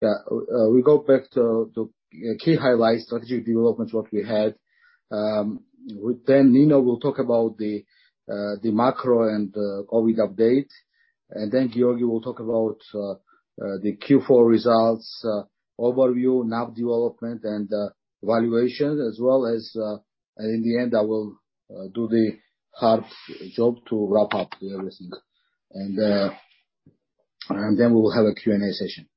Yeah. We go back to key highlights, strategic developments, what we had. Then Nino will talk about the macro and COVID update. Giorgi will talk about the Q4 results overview, NAV development and valuation, as well as. In the end, I will do the hard job to wrap up everything. Then we will have a Q&A session.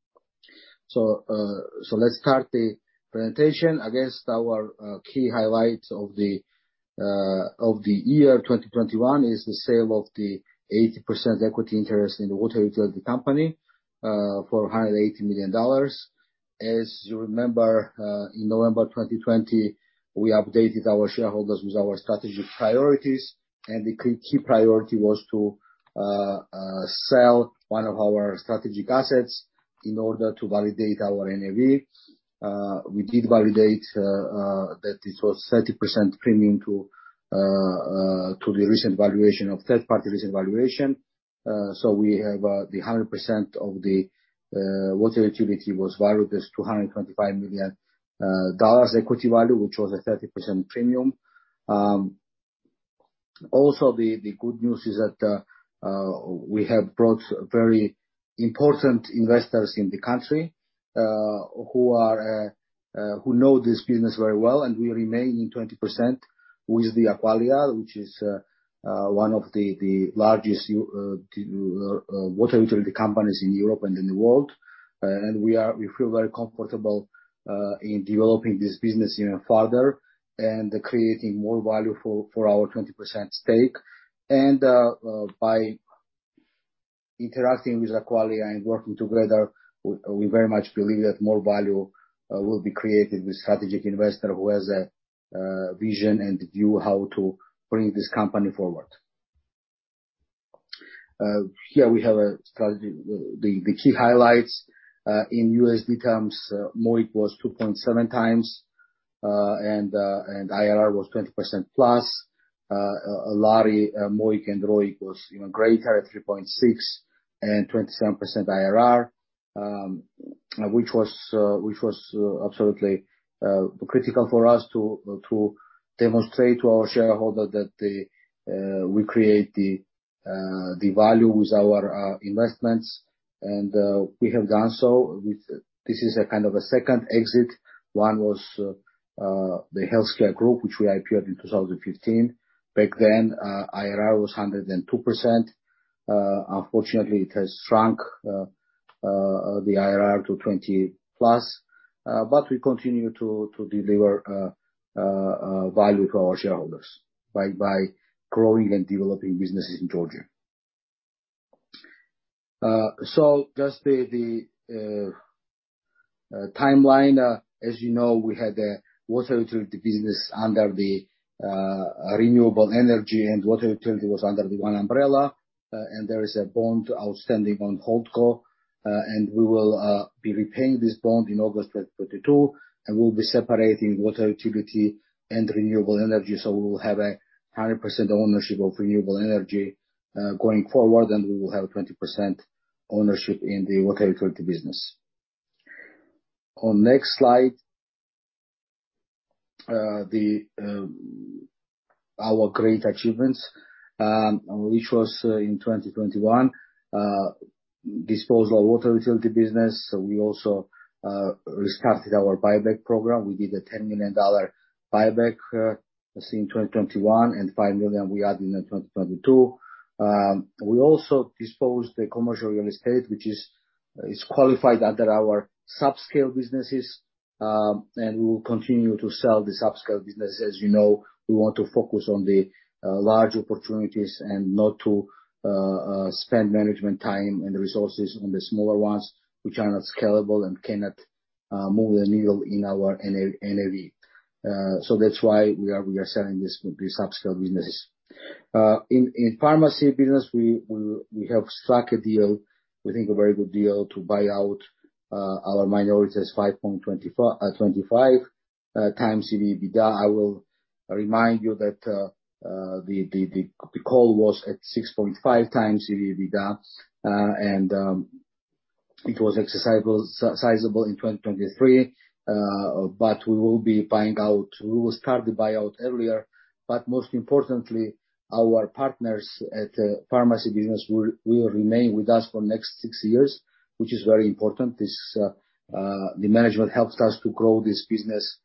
Let's start the presentation. I guess our key highlights of the year 2021 is the sale of the 80% equity interest in the water utility company for $180 million. As you remember, in November 2020, we updated our shareholders with our strategic priorities, and the key priority was to sell one of our strategic assets in order to validate our NAV. We did validate that it was 30% premium to the recent valuation of third-party. So we have the 100% of the water utility was valued as $225 million equity value, which was a 30% premium. Also, the good news is that we have brought very important investors in the country who know this business very well. We remain in 20% with Aqualia, which is one of the largest water utility companies in Europe and in the world. We feel very comfortable in developing this business even further and creating more value for our 20% stake. By interacting with Aqualia and working together, we very much believe that more value will be created with strategic investor who has a vision and view how to bring this company forward. Here we have a strategy. The key highlights in USD terms, MOIC was 2.7x, and IRR was 20%+. Lari, MOIC and ROIC was even greater, 3.6 and 27% IRR, which was absolutely critical for us to demonstrate to our shareholder that we create the value with our investments. We have done so with this. This is a kind of a second exit. One was the Healthcare Group, which we IPO'd in 2015. Back then, IRR was 102%. Unfortunately, it has shrunk the IRR to 20%+. We continue to deliver value to our shareholders by growing and developing businesses in Georgia. Just the timeline. As you know, we had the water utility business under the renewable energy, and water utility was under the one umbrella, and there is a bond outstanding on holdco. We will be repaying this bond in August 2022, and we'll be separating water utility and renewable energy, so we will have 100% ownership of renewable energy going forward, and we will have 20% ownership in the water utility business. On next slide, our great achievements, which was in 2021. Disposal of water utility business. We also restarted our buyback program. We did a $10 million buyback, I think in 2021, and $5 million we had in 2022. We also disposed of the commercial real estate, which is qualified under our subscale businesses, and we will continue to sell the subscale business. As you know, we want to focus on the large opportunities and not to spend management time and resources on the smaller ones, which are not scalable and cannot move the needle in our NAV. That's why we are selling these subscale businesses. In pharmacy business, we have struck a deal, we think a very good deal, to buy out our minorities 5.25x EBITDA. I will remind you that the call was at 6.5x EBITDA, and it was exercisable sizable in 2023. We will be buying out. We will start the buyout earlier. Most importantly, our partners at pharmacy business will remain with us for next 6 years, which is very important. The management helped us to grow this business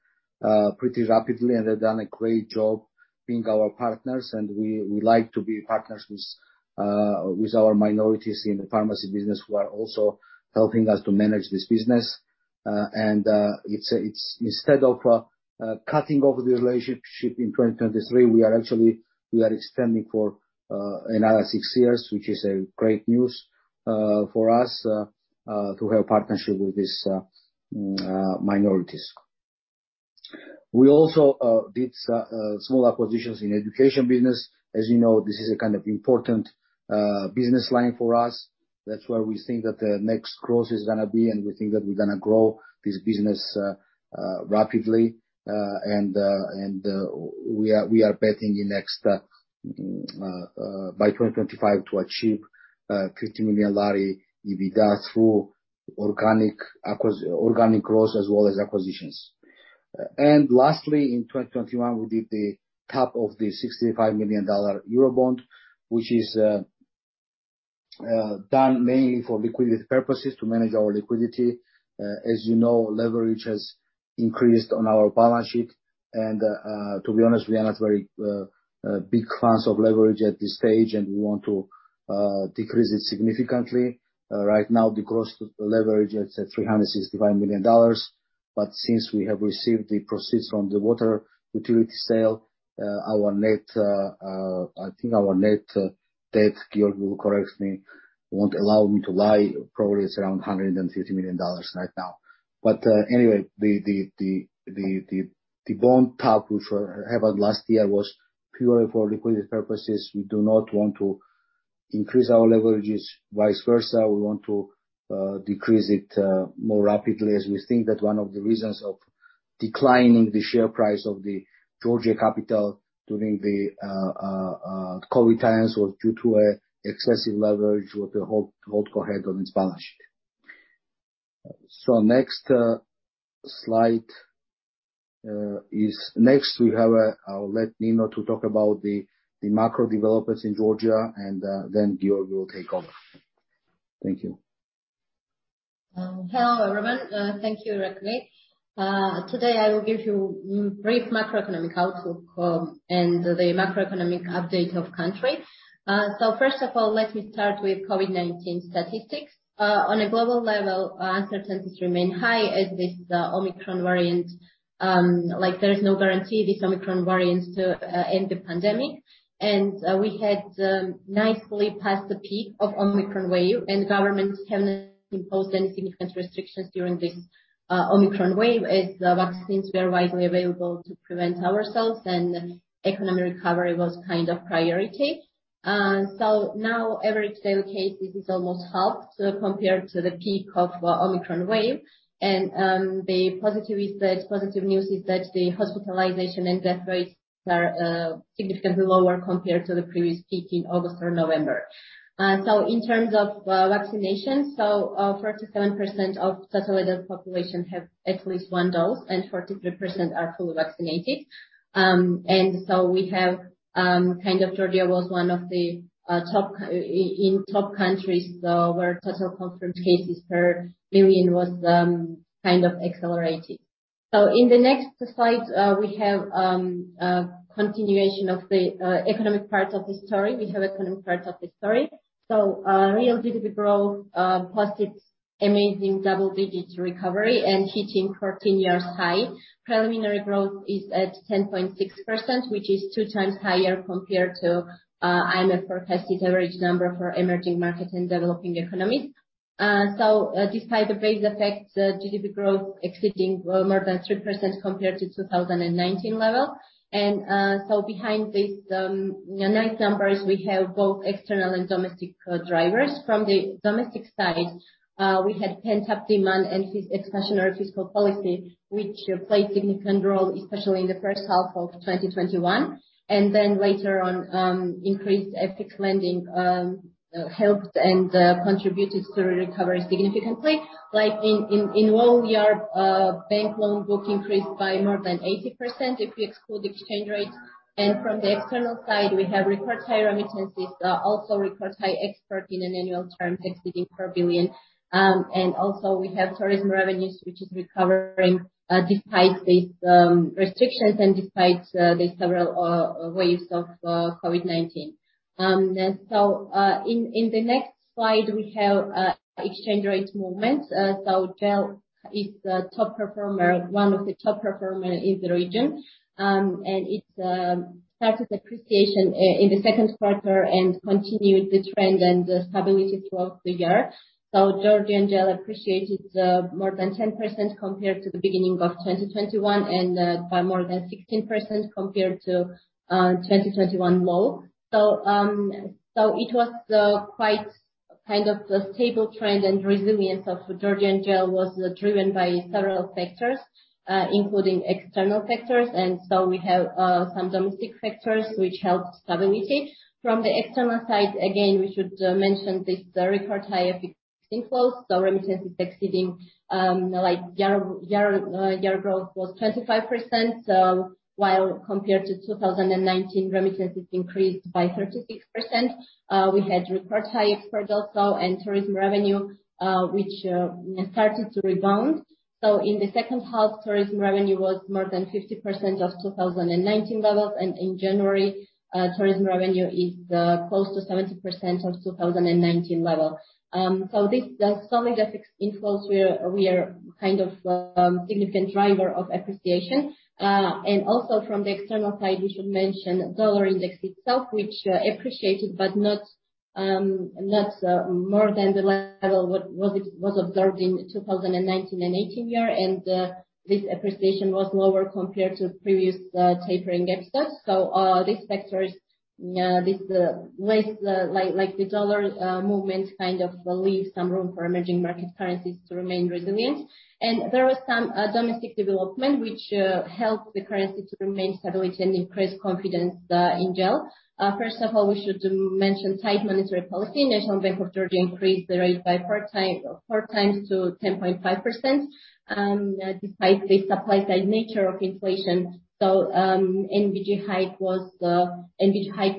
pretty rapidly, and they've done a great job being our partners. We like to be partners with our minorities in the pharmacy business who are also helping us to manage this business. It's instead of cutting off the relationship in 2023, we are actually extending for another 6 years, which is great news for us to have partnership with these minorities. We also did small acquisitions in education business. As you know, this is a kind of important business line for us. That's where we think that the next growth is gonna be, and we think that we're gonna grow this business rapidly. We are betting on the next by 2025 to achieve GEL 50 million EBITDA through organic growth as well as acquisitions. Lastly, in 2021, we did the tap of the $65 million Eurobond, which is done mainly for liquidity purposes, to manage our liquidity. As you know, leverage has increased on our balance sheet, and, to be honest, we are not very big fans of leverage at this stage, and we want to decrease it significantly. Right now the gross leverage is at $365 million. Since we have received the proceeds from the water utility sale, our net debt, Giorgi will correct me, won't allow me to lie, probably is around $150 million right now. Anyway, the bond tap which we have last year was purely for liquidity purposes. We do not want to increase our leverages, vice versa. We want to decrease it more rapidly, as we think that one of the reasons of declining the share price of Georgia Capital during the COVID times was due to excessive leverage with the whole holdco on its balance sheet. Next, I'll let Nino talk about the macro developments in Georgia and then Giorgi will take over. Thank you. Hello, everyone. Thank you, Irakli. Today I will give you brief macroeconomic outlook, and the macroeconomic update of country. First of all, let me start with COVID-19 statistics. On a global level, uncertainties remain high as this Omicron variant, like, there is no guarantee this Omicron variant end the pandemic. We had nicely passed the peak of Omicron wave, and governments have not imposed any significant restrictions during this Omicron wave as the vaccines were widely available to prevent ourselves and economic recovery was kind of priority. Now average daily cases is almost half compared to the peak of Omicron wave. The positive news is that the hospitalization and death rates are significantly lower compared to the previous peak in August or November. In terms of vaccination, 47% of total adult population have at least one dose, and 43% are fully vaccinated. We have kind of Georgia was one of the top countries where total confirmed cases per million was kind of accelerated. In the next slide, we have continuation of the economic part of the story. Real GDP growth posted amazing double-digit recovery and hitting 14-year high. Preliminary growth is at 10.6%, which is 2x higher compared to IMF forecast average number for emerging markets and developing economies. Despite the base effects, GDP growth exceeding more than 3% compared to 2019 level. Behind these nice numbers, we have both external and domestic drivers. From the domestic side, we had pent-up demand and expansionary fiscal policy, which played significant role, especially in the first half of 2021. Then later on, increased FX lending helped and contributed to recovery significantly. Like in whole year, bank loan book increased by more than 80% if you exclude exchange rates. From the external side, we have record high remittances, also record high export in an annual term exceeding GEL 4 billion. Also we have tourism revenues, which is recovering despite these restrictions and despite the several waves of COVID-19. In the next slide, we have exchange rate movements. GEL is the top performer, one of the top performer in the region. It started appreciation in the second quarter and continued the trend and the stability throughout the year. Georgian GEL appreciated more than 10% compared to the beginning of 2021, and by more than 16% compared to 2021 low. It was quite kind of a stable trend, and resilience of Georgian GEL was driven by several factors, including external factors. We have some domestic factors which helped stability. From the external side, again, we should mention this record high FX inflows. Remittances exceeding year-over-year growth was 25%, while compared to 2019, remittances increased by 36%. We had record high export also, and tourism revenue, which started to rebound. In the second half, tourism revenue was more than 50% of 2019 levels. In January, tourism revenue is close to 70% of 2019 level. This, the strong FX inflows were kind of significant driver of appreciation. Also from the external side, we should mention dollar index itself, which appreciated but not more than the level what was observed in 2019 and 2018 year. This appreciation was lower compared to previous tapering exercise. These factors. Yeah, this less like the dollar movement kind of will leave some room for emerging market currencies to remain resilient. There was some domestic development which helped the currency to remain stable and increase confidence in GEL. First of all, we should mention tight monetary policy. National Bank of Georgia increased the rate 4x to 10.5%, despite the supply side nature of inflation. NBG hiked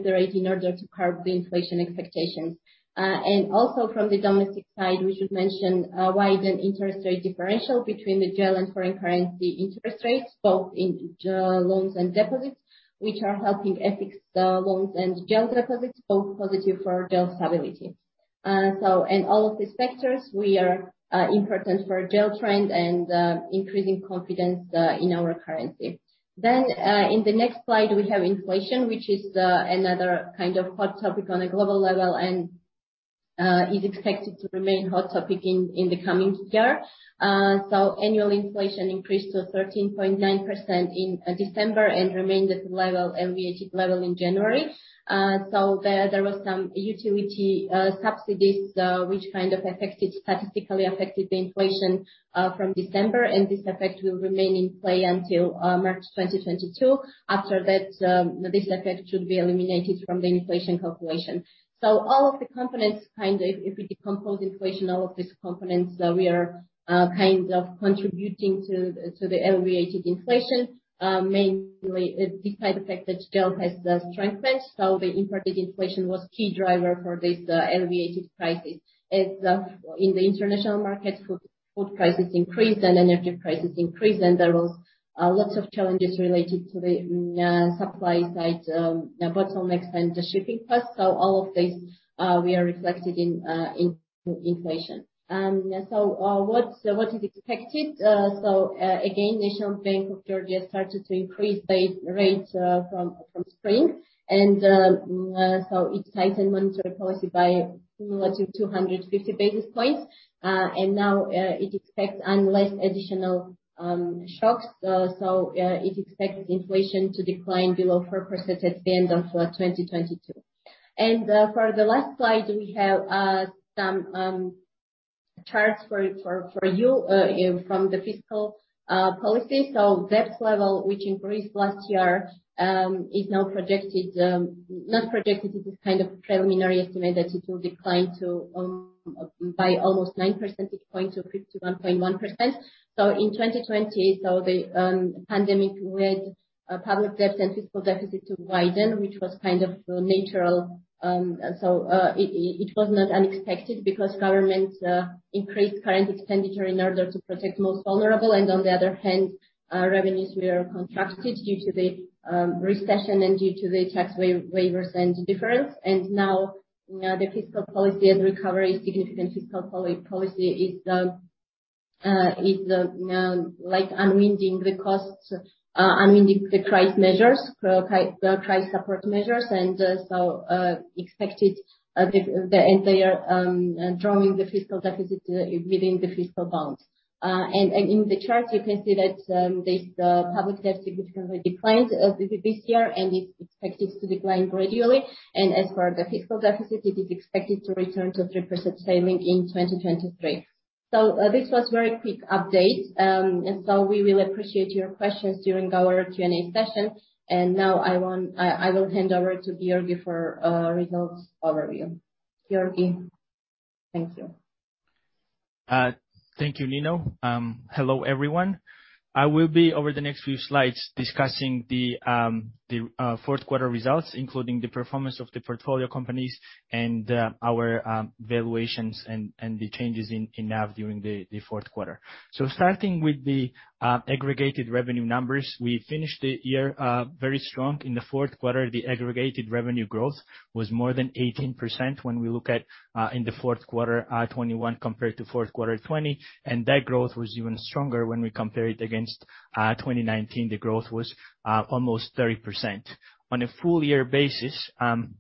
the rate in order to curb the inflation expectations. Also from the domestic side, we should mention widened interest rate differential between the GEL and foreign currency interest rates, both in GEL loans and GEL deposits, which are helping attract loans and GEL deposits, both positive for GEL stability. In all of these factors, these are important for GEL trend and increasing confidence in our currency. In the next slide, we have inflation, which is another kind of hot topic on a global level, and is expected to remain hot topic in the coming year. Annual inflation increased to 13.9% in December and remained at elevated level in January. There was some utility subsidies, which kind of statistically affected the inflation from December, and this effect will remain in play until March 2022. After that, this effect should be eliminated from the inflation calculation. All of the components, kind of if we decompose inflation, all of these components are kind of contributing to the elevated inflation, mainly despite the fact that GEL has strengthened, so the imported inflation was key driver for this elevated prices. As in the international markets, food prices increased and energy prices increased, and there was lots of challenges related to the supply side, bottlenecks and extended shipping costs. All of these were reflected in inflation. What is expected? National Bank of Georgia started to increase the rates from spring. It tightened monetary policy by similar to 250 basis points. Now it expects, unless additional shocks, it expects inflation to decline below 4% at the end of 2022. For the last slide, we have some charts for you from the fiscal policy. Debt level, which increased last year, is now projected, not projected. This is kind of preliminary estimate that it will decline by almost 9 percentage points or 51.1%. In 2020, the pandemic led public debt and fiscal deficit to widen, which was kind of natural. It was not unexpected because government increased current expenditure in order to protect the most vulnerable. On the other hand, revenues were contracted due to the recession and due to the tax waivers and deferrals. Now, the fiscal policy and recovery, significant fiscal policy is like unwinding the costs, unwinding the price support measures. It's expected that the fiscal deficit will be drawn down within the fiscal bounds. In the chart you can see that this public debt significantly declined this year and is expected to decline gradually. As for the fiscal deficit, it is expected to return to 3% ceiling in 2023. This was very quick update. We will appreciate your questions during our Q&A session. Now I will hand over to Giorgi for results overview. Giorgi. Thank you. Thank you, Nino. Hello, everyone. I will be, over the next few slides, discussing the fourth quarter results, including the performance of the portfolio companies and our valuations and the changes in NAV during the fourth quarter. Starting with the aggregated revenue numbers. We finished the year very strong. In the fourth quarter, the aggregated revenue growth was more than 18% when we look at in the fourth quarter 2021 compared to fourth quarter 2020. That growth was even stronger when we compare it against 2019. The growth was almost 30%. On a full year basis,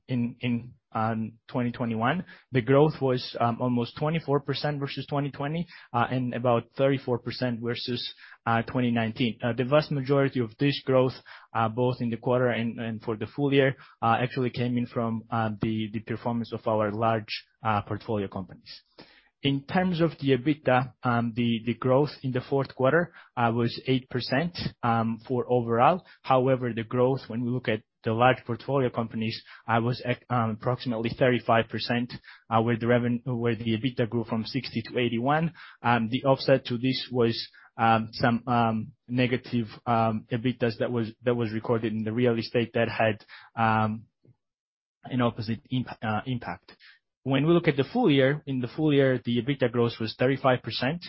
in 2021, the growth was almost 24% versus 2020 and about 34% versus 2019. The vast majority of this growth both in the quarter and for the full year actually came in from the performance of our large portfolio companies. In terms of the EBITDA, the growth in the fourth quarter was 8% overall. However, the growth, when we look at the large portfolio companies, was at approximately 35%, where the EBITDA grew from 60% to 81%. The offset to this was some negative EBITDA that was recorded in the real estate that had an opposite impact. When we look at the full year, the EBITDA growth was 35%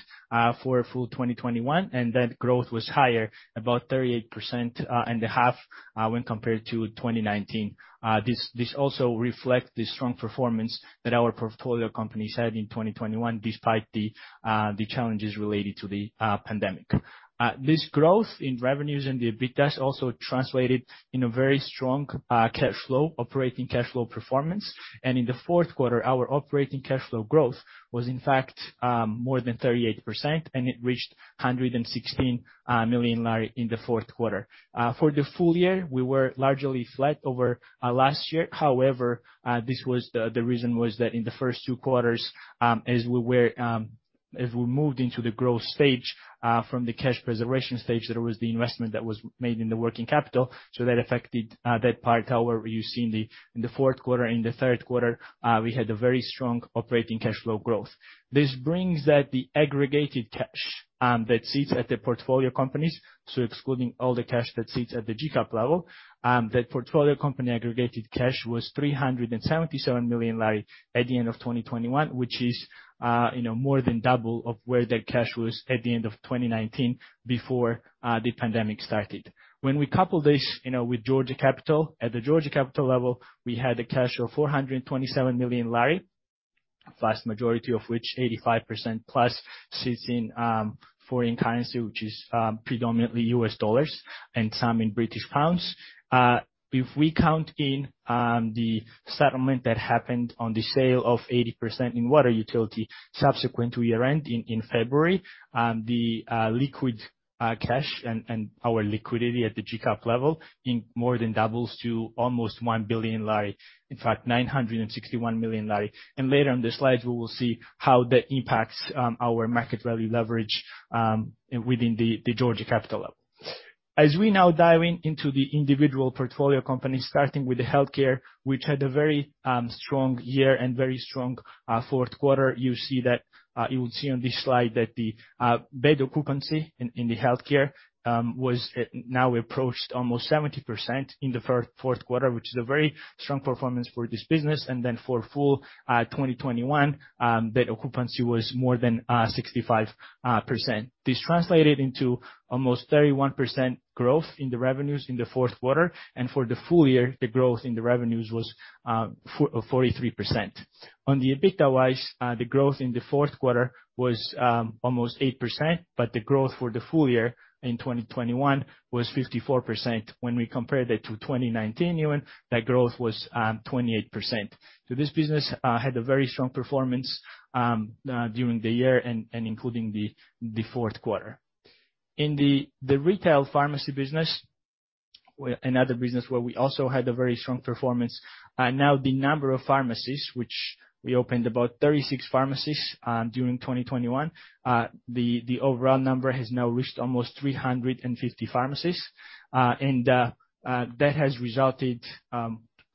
for full 2021, and that growth was higher, about 38.5%, when compared to 2019. This also reflect the strong performance that our portfolio companies had in 2021, despite the challenges related to the pandemic. This growth in revenues and the EBITDA also translated in a very strong cash flow, operating cash flow performance. In the fourth quarter, our operating cash flow growth was in fact more than 38%, and it reached GEL 116 million in the fourth quarter. For the full year, we were largely flat over last year. However, this was the reason that in the first two quarters, as we moved into the growth stage from the cash preservation stage, there was the investment that was made in the working capital, so that affected that part. However, you see in the fourth quarter, in the third quarter, we had a very strong operating cash flow growth. This brings that the aggregated cash that sits at the portfolio companies, so excluding all the cash that sits at the GCAP level, that portfolio company aggregated cash was GEL 377 million at the end of 2021, which is, you know, more than double of where that cash was at the end of 2019 before the pandemic started. When we couple this, you know, with Georgia Capital, at the Georgia Capital level, we had cash of GEL 427 million, vast majority of which, 85%+, sits in foreign currency, which is predominantly U.S. dollars and some in British pounds. If we count in the settlement that happened on the sale of 80% in water utility subsequent to year-end in February, the liquid cash and our liquidity at the GCAP level it more than doubles to almost GEL 1 billion, in fact GEL 961 million. Later in the slides, we will see how that impacts our market value leverage within the Georgia Capital level. As we now dive into the individual portfolio companies, starting with the healthcare, which had a very strong year and very strong fourth quarter, you see that you will see on this slide that the bed occupancy in the healthcare was now approached almost 70% in the fourth quarter, which is a very strong performance for this business. For full 2021, bed occupancy was more than 65%. This translated into almost 31% growth in the revenues in the fourth quarter. For the full year, the growth in the revenues was 43%. On the EBITDA-wise, the growth in the fourth quarter was almost 8%, but the growth for the full year in 2021 was 54%. When we compare that to 2019 even, that growth was 28%. This business had a very strong performance during the year and including the fourth quarter. In the retail pharmacy business, another business where we also had a very strong performance. Now the number of pharmacies, which we opened about 36 pharmacies during 2021, the overall number has now reached almost 350 pharmacies. That has resulted,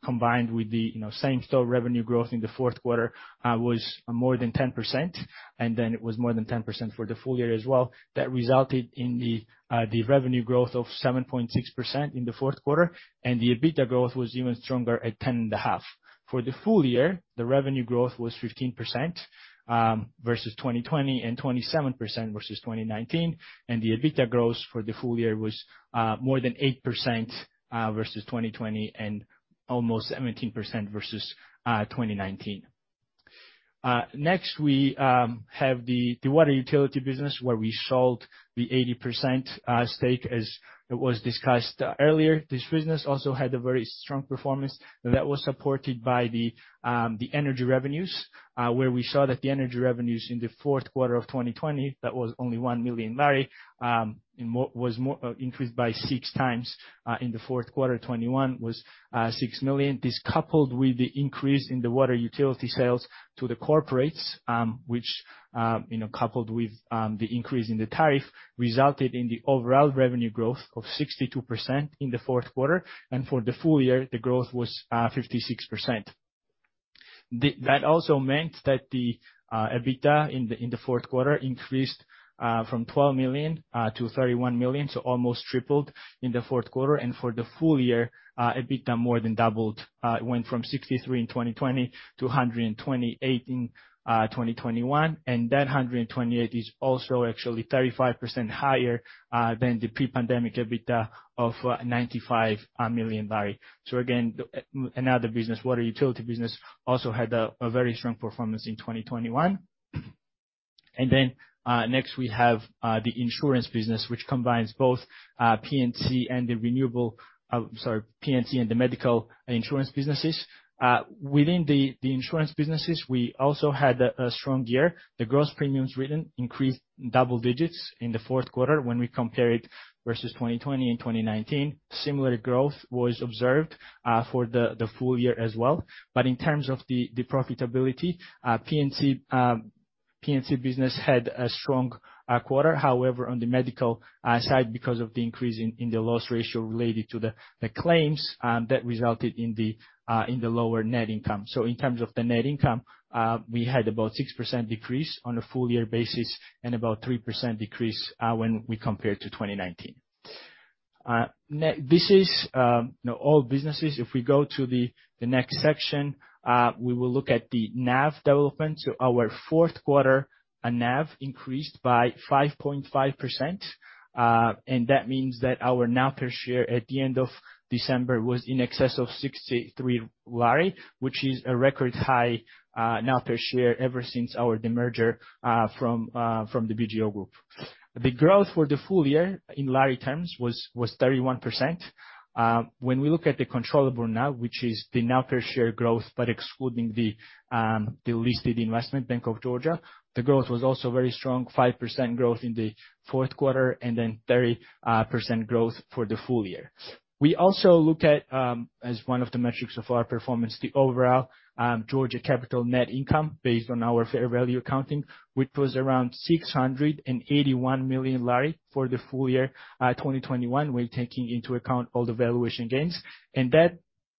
combined with the, you know, same store revenue growth in the fourth quarter, was more than 10%, and then it was more than 10% for the full year as well. That resulted in the revenue growth of 7.6% in the fourth quarter, and the EBITDA growth was even stronger at 10.5%. For the full year, the revenue growth was 15% versus 2020, and 27% versus 2019. The EBITDA growth for the full year was more than 8% versus 2020, and almost 17% versus 2019. Next we have the water utility business, where we sold the 80% stake as it was discussed earlier. This business also had a very strong performance that was supported by the energy revenues, where we saw that the energy revenues in the fourth quarter of 2020 that was only GEL 1 million increased by 6x in the fourth quarter 2021 was GEL 6 million. This coupled with the increase in the water utility sales to the corporates, which you know coupled with the increase in the tariff resulted in the overall revenue growth of 62% in the fourth quarter. For the full year, the growth was 56%. That also meant that the EBITDA in the fourth quarter increased from GEL 12 million to GEL 31 million, so almost tripled in the fourth quarter. For the full year, EBITDA more than doubled. It went from GEL 63 million in 2020 to GEL 128 million in 2021. That GEL 128 million is also actually 35% higher than the pre-pandemic EBITDA of GEL 95 million. Again, another business, water utility business also had a very strong performance in 2021. Then next we have the insurance business, which combines both P&C and the medical insurance businesses. Within the insurance businesses, we also had a strong year. The gross premiums written increased double digits in the fourth quarter when we compare it versus 2020 and 2019. Similar growth was observed for the full year as well. In terms of the profitability, P&C business had a strong quarter. However, on the medical side, because of the increase in the loss ratio related to the claims that resulted in the lower net income. In terms of the net income, we had about 6% decrease on a full-year basis and about 3% decrease when we compare to 2019. This is, you know, all businesses. If we go to the next section, we will look at the NAV development. Our fourth quarter NAV increased by 5.5%. That means that our NAV per share at the end of December was in excess of GEL 63 million, which is a record high NAV per share ever since our demerger from the BGEO Group. The growth for the full year in lari terms was 31%. When we look at the controllable NAV, which is the NAV per share growth, but excluding the listed investment Bank of Georgia, the growth was also very strong, 5% growth in the fourth quarter and then 30% growth for the full year. We also look at as one of the metrics of our performance, the overall Georgia Capital net income based on our fair value accounting, which was around GEL 681 million for the full year 2021, when taking into account all the valuation gains.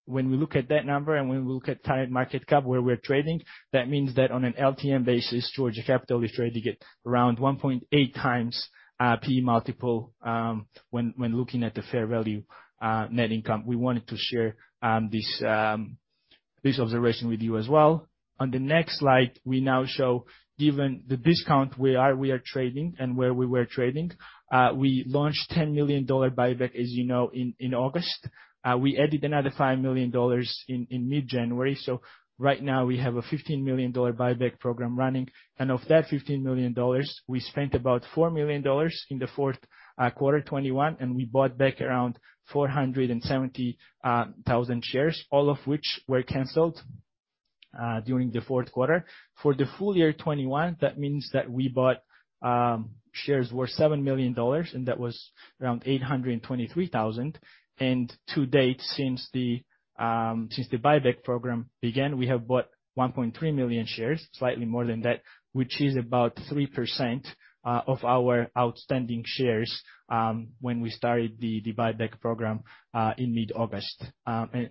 When we look at that number, and when we look at current market cap where we're trading, that means that on an LTM basis, Georgia Capital is trading at around 1.8x PE multiple, when looking at the fair value net income. We wanted to share this observation with you as well. On the next slide, we now show given the discount where we are trading and where we were trading, we launched $10 million buyback, as you know, in August. We added another $5 million in mid-January. Right now we have a $15 million buyback program running. Of that $15 million, we spent about $4 million in the fourth quarter 2021, and we bought back around 470,000 shares, all of which were canceled during the fourth quarter. For the full year 2021, that means that we bought shares worth $7 million, and that was around 823,000. To date, since the buyback program began, we have bought 1.3 million shares, slightly more than that, which is about 3% of our outstanding shares when we started the buyback program in mid-August. On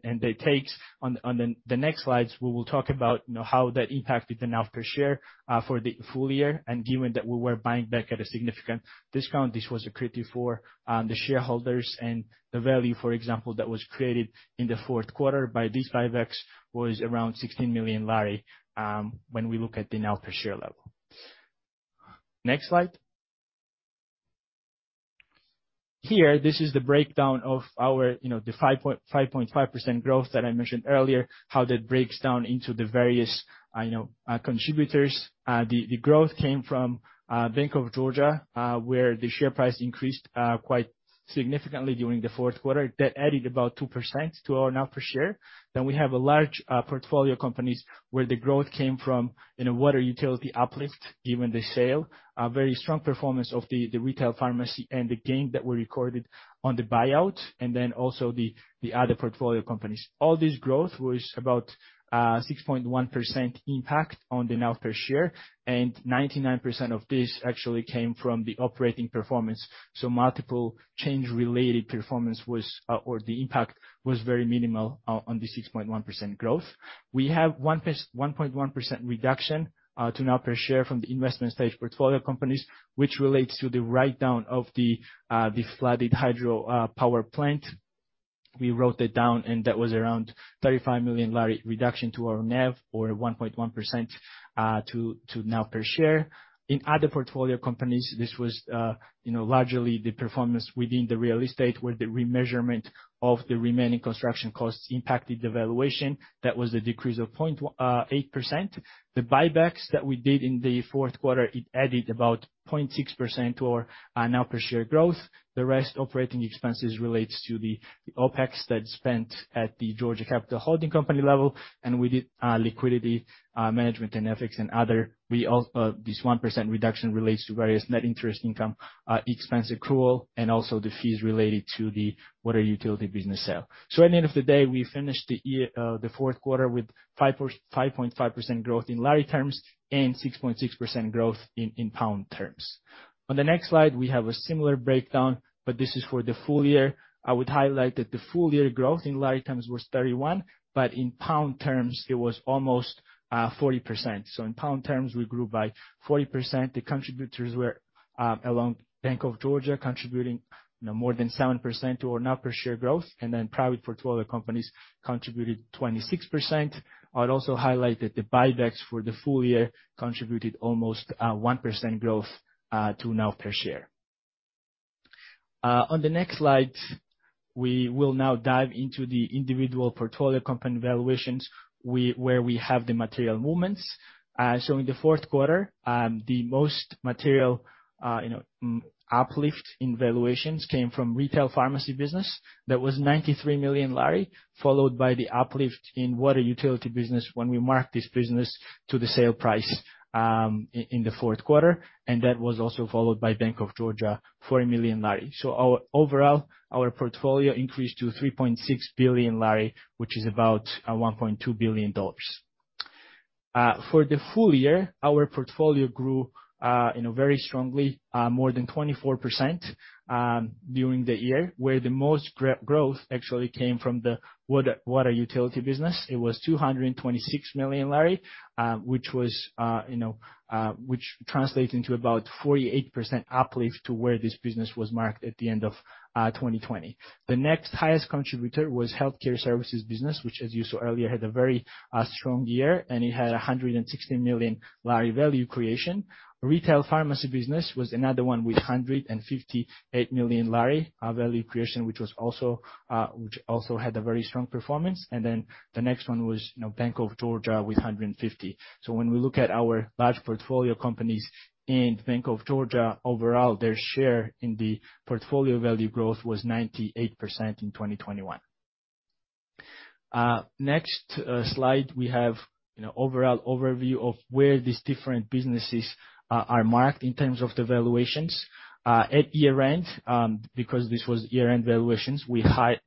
the next slides, we will talk about, you know, how that impacted the NAV per share for the full year. Given that we were buying back at a significant discount, this was accretive for the shareholders. The value, for example, that was created in the fourth quarter by these buybacks was around GEL 16 million when we look at the NAV per share level. Next slide. Here, this is the breakdown of our the 5.5% growth that I mentioned earlier, how that breaks down into the various contributors. The growth came from Bank of Georgia where the share price increased quite significantly during the fourth quarter. That added about 2% to our NAV per share. We have a large portfolio companies where the growth came from in a water utility uplift, given the sale. A very strong performance of the retail pharmacy and the gain that we recorded on the buyout, and then also the other portfolio companies. All this growth was about 6.1% impact on the NAV per share, and 99% of this actually came from the operating performance. Multiple change related performance was or the impact was very minimal on the 6.1% growth. We have 1.1% reduction to NAV per share from the investment stage portfolio companies, which relates to the write down of the flooded hydro power plant. We wrote that down, and that was around GEL 35 million reduction to our NAV or 1.1% to NAV per share. In other portfolio companies, this was, you know, largely the performance within the real estate, where the remeasurement of the remaining construction costs impacted the valuation. That was the decrease of 0.8%. The buybacks that we did in the fourth quarter, it added about 0.6% to our NAV per share growth. The rest operating expenses relates to the OpEx that's spent at the Georgia Capital holding company level, and we did liquidity management and FX and other. This 1% reduction relates to various net interest income, expense accrual, and also the fees related to the water utility business sale. At the end of the day, we finished the fourth quarter with 5.5% growth in lari terms and 6.6% growth in pound terms. On the next slide, we have a similar breakdown, but this is for the full year. I would highlight that the full year growth in Lari terms was 31%, but in pound terms it was almost 40%. In pound terms, we grew by 40%. The contributors were along with Bank of Georgia contributing, you know, more than 7% to our NAV per share growth and then private portfolio companies contributed 26%. I'd also highlight that the buybacks for the full year contributed almost 1% growth to NAV per share. On the next slide, we will now dive into the individual portfolio company valuations where we have the material movements. In the fourth quarter, the most material uplift in valuations came from retail pharmacy business. That was GEL 93 million, followed by the uplift in water utility business when we marked this business to the sale price in the fourth quarter. That was also followed by Bank of Georgia, GEL 40 million. Our overall, our portfolio increased to GEL 3.6 billion, which is about $1.2 billion. For the full year, our portfolio grew, you know, very strongly, more than 24%, during the year. Where the most growth actually came from the water utility business. It was GEL 226 million, which was, you know, which translates into about 48% uplift to where this business was marked at the end of 2020. The next highest contributor was healthcare services business, which as you saw earlier, had a very strong year, and it had GEL 160 million value creation. Retail pharmacy business was another one with GEL 158 million value creation, which was also, which also had a very strong performance. Then the next one was, you know, Bank of Georgia with GEL 150 million. So when we look at our large portfolio companies in Bank of Georgia, overall, their share in the portfolio value growth was 98% in 2021. Next slide, we have, you know, overall overview of where these different businesses are marked in terms of the valuations at year-end, because this was year-end valuations. We had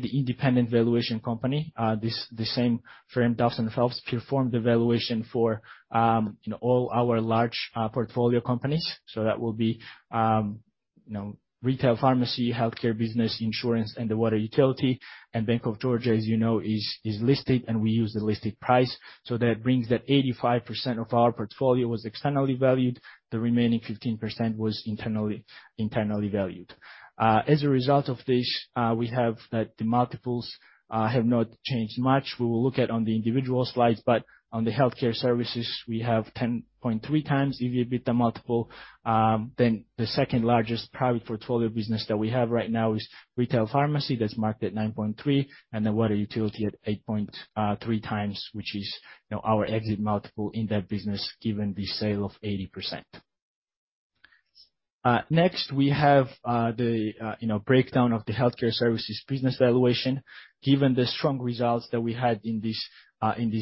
the independent valuation company, this, the same firm, Duff & Phelps, perform the valuation for, you know, all our large portfolio companies. You know, retail pharmacy, healthcare business, insurance, and the water utility, and Bank of Georgia, as you know, is listed, and we use the listed price. That brings that 85% of our portfolio was externally valued. The remaining 15% was internally valued. As a result of this, we have that the multiples have not changed much. We will look at on the individual slides, but on the healthcare services, we have 10.3x EV/EBITDA multiple. Then the second-largest private portfolio business that we have right now is retail pharmacy. That's marked at 9.3x, and the water utility at 8.3x, which is, you know, our exit multiple in that business given the sale of 80%. Next we have the breakdown of the healthcare services business valuation. Given the strong results that we had in this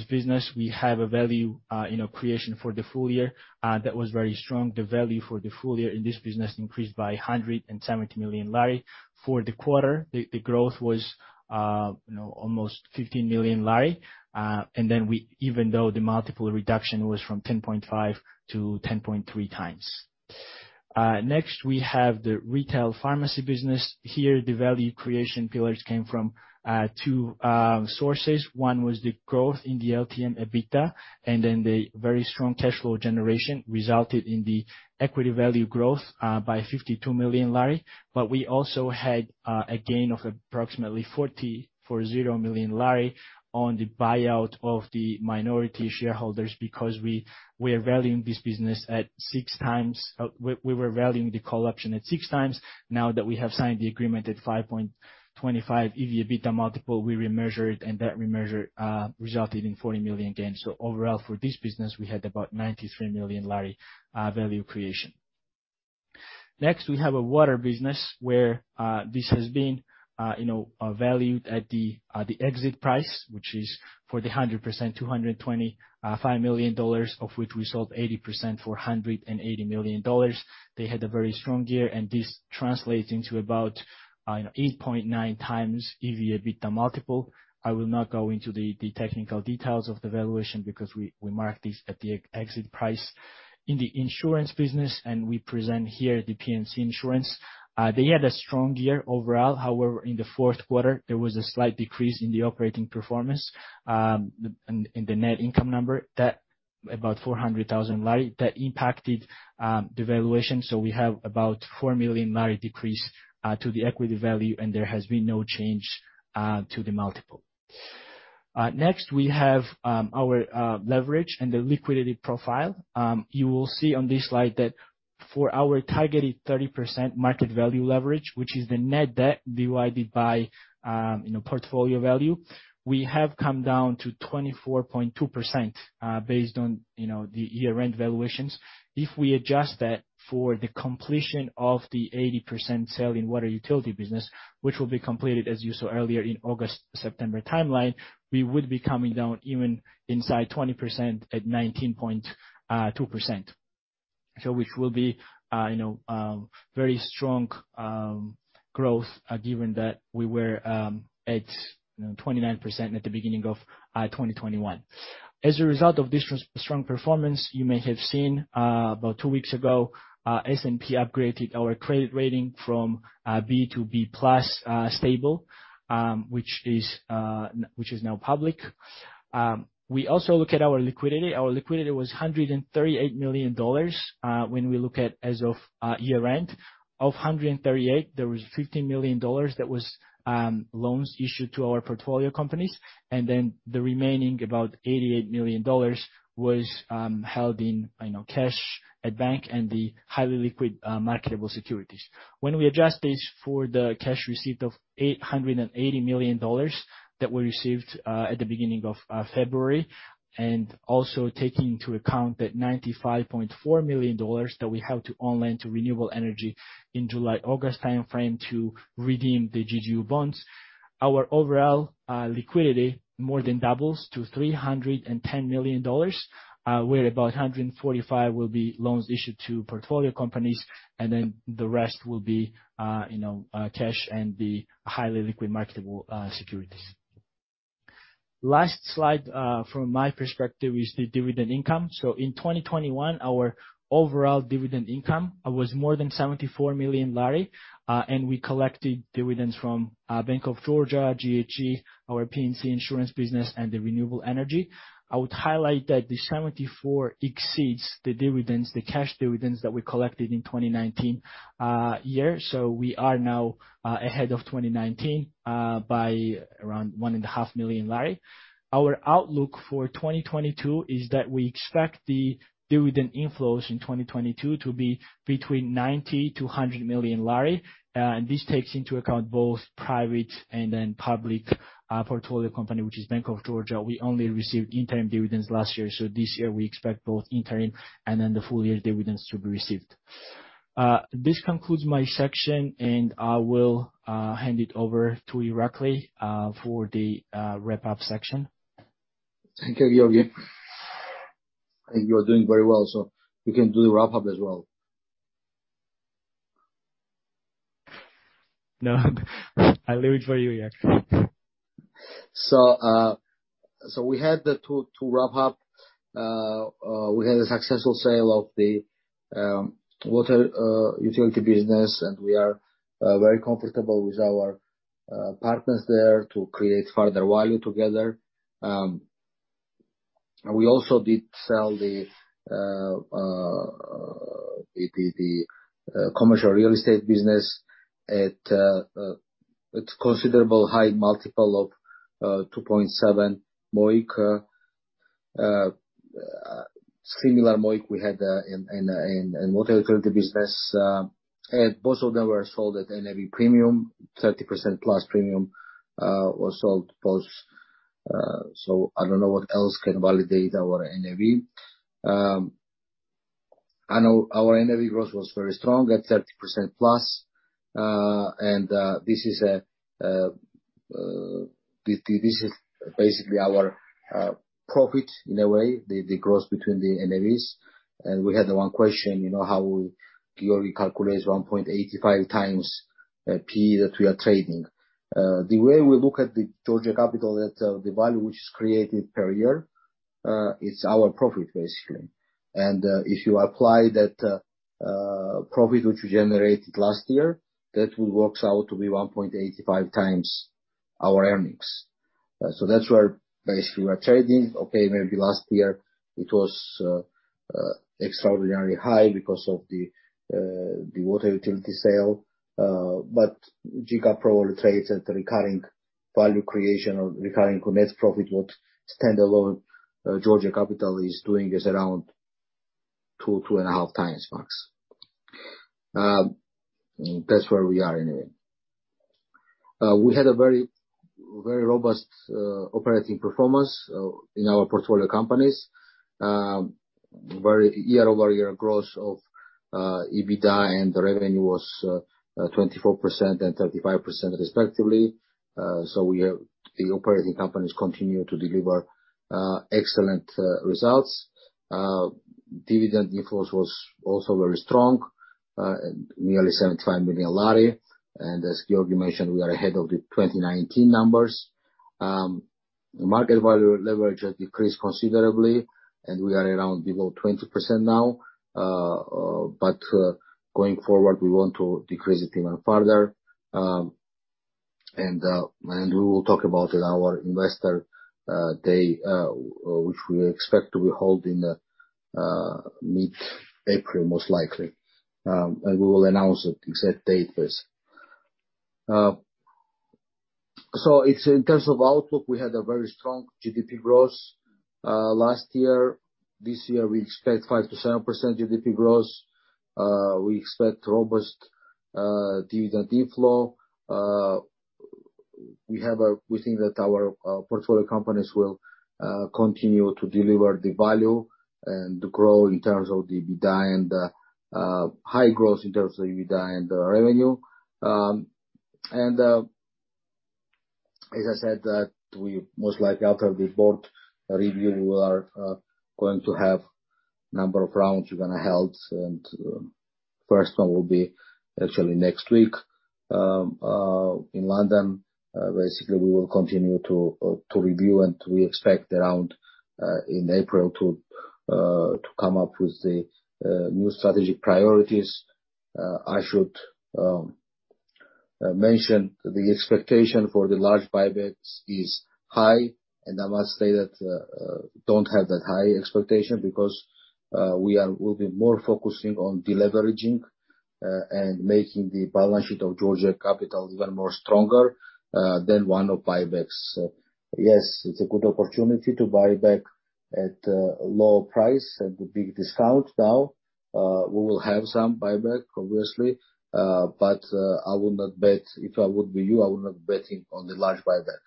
business, we have a value creation for the full year that was very strong. The value for the full year in this business increased by GEL 170 million. For the quarter, the growth was almost GEL 15 million. Even though the multiple reduction was from 10.5x to 10.3x. Next we have the retail pharmacy business. Here, the value creation pillars came from two sources. One was the growth in the LTM EBITDA, and then the very strong cash flow generation resulted in the equity value growth by GEL 52 million. We also had a gain of approximately GEL 40 million on the buyout of the minority shareholders because we are valuing this business at 6x. We were valuing the call option at 6x. Now that we have signed the agreement at 5.25x EV/EBITDA multiple, we remeasured, and that remeasurement resulted in GEL 40 million gain. Overall, for this business, we had about GEL 93 million value creation. Next, we have a water business where this has been, you know, valued at the exit price, which is for the 100%, $225 million, of which we sold 80% for $180 million. They had a very strong year, and this translates into about, you know, 8.9x EV/EBITDA multiple. I will not go into the technical details of the valuation because we marked this at the exit price. In the insurance business, we present here the P&C Insurance. They had a strong year overall. However, in the fourth quarter, there was a slight decrease in the operating performance in the net income number. That was about GEL 400,000. That impacted the valuation. We have about GEL 4 million decrease to the equity value, and there has been no change to the multiple. Next we have our leverage and the liquidity profile. You will see on this slide that for our targeted 30% market value leverage, which is the net debt divided by, you know, portfolio value. We have come down to 24.2%, based on, you know, the year-end valuations. If we adjust that for the completion of the 80% sale in water utility business, which will be completed as you saw earlier in August-September timeline, we would be coming down even inside 20% at 19.2%. Which will be you know very strong growth given that we were at you know 29% at the beginning of 2021. As a result of this strong performance, you may have seen about two weeks ago S&P upgraded our credit rating from B to B+, stable, which is now public. We also look at our liquidity. Our liquidity was $138 million when we look at as of year-end. Of $138 million, there was $50 million that was loans issued to our portfolio companies. The remaining about $88 million was held in you know cash at bank and the highly liquid marketable securities. When we adjust this for the cash receipt of $880 million that we received at the beginning of February, and also taking into account that $95.4 million that we have to on-lend to renewable energy in July-August timeframe to redeem the GGU bonds, our overall liquidity more than doubles to $310 million, where about $145 million will be loans issued to portfolio companies, and then the rest will be, you know, cash and the highly liquid marketable securities. Last slide from my perspective is the dividend income. In 2021, our overall dividend income was more than GEL 74 million, and we collected dividends from Bank of Georgia, GHG, our P&C insurance business, and the renewable energy. I would highlight that the GEL 74 million exceeds the dividends, the cash dividends that we collected in 2019 year. We are now ahead of 2019 by around GEL 1.5 million. Our outlook for 2022 is that we expect the dividend inflows in 2022 to be between GEL 90 million-GEL 100 million. This takes into account both private and then public portfolio company, which is Bank of Georgia. We only received interim dividends last year. This year we expect both interim and then the full year dividends to be received. This concludes my section, and I will hand it over to Irakli for the wrap-up section. Thank you, Giorgi. I think you are doing very well, so you can do the wrap-up as well. No, I leave it for you, Irakli. To wrap up, we had a successful sale of the water utility business, and we are very comfortable with our partners there to create further value together. We also did sell the commercial real estate business at a considerably high multiple of 2.7 MOIC. Similar MOIC we had in the water utility business. Both of them were sold at a 30%+ NAV premium. I don't know what else can validate our NAV. I know our NAV growth was very strong at 30%+. This is basically our profit in a way, the growth between the NAVs. We had one question, you know, how Giorgi calculates 1.85x P that we are trading. The way we look at Georgia Capital, that the value which is created per year is our profit basically. If you apply that profit which we generated last year, that will works out to be 1.85x our earnings. So that's where basically we're trading. Okay, maybe last year it was extraordinarily high because of the water utility sale. But GCAP probably trades at a recurring value creation or recurring net profit. What standalone Georgia Capital is doing is around 2x-2.5x max. That's where we are anyway. We had a very robust operating performance in our portfolio companies, very year-over-year growth of EBITDA, and the revenue was 24% and 35% respectively. The operating companies continue to deliver excellent results. Dividend inflows was also very strong at nearly GEL 75 million. As Giorgi mentioned, we are ahead of the 2019 numbers. The market value leverage has decreased considerably, and we are around below 20% now. Going forward, we want to decrease it even further. We will talk about it at our Investor Day, which we expect to be holding mid-April most likely. We will announce the exact date first. In terms of outlook, we had a very strong GDP growth last year. This year we expect 5%-7% GDP growth. We expect robust dividend inflow. We think that our portfolio companies will continue to deliver the value and grow in terms of the EBITDA and high growth in terms of EBITDA and revenue. Like I said, we most likely after the board review are going to have a number of rounds we're gonna hold, and first one will be actually next week in London. Basically, we will continue to review, and we expect around in April to come up with the new strategy priorities. I should mention the expectation for the large buybacks is high, and I must say that I don't have that high expectation because we'll be more focusing on deleveraging and making the balance sheet of Georgia Capital even more stronger than on buybacks. Yes, it's a good opportunity to buy back at a lower price, at a big discount now. We will have some buyback obviously. But I would not bet. If I would be you, I would not betting on the large buyback.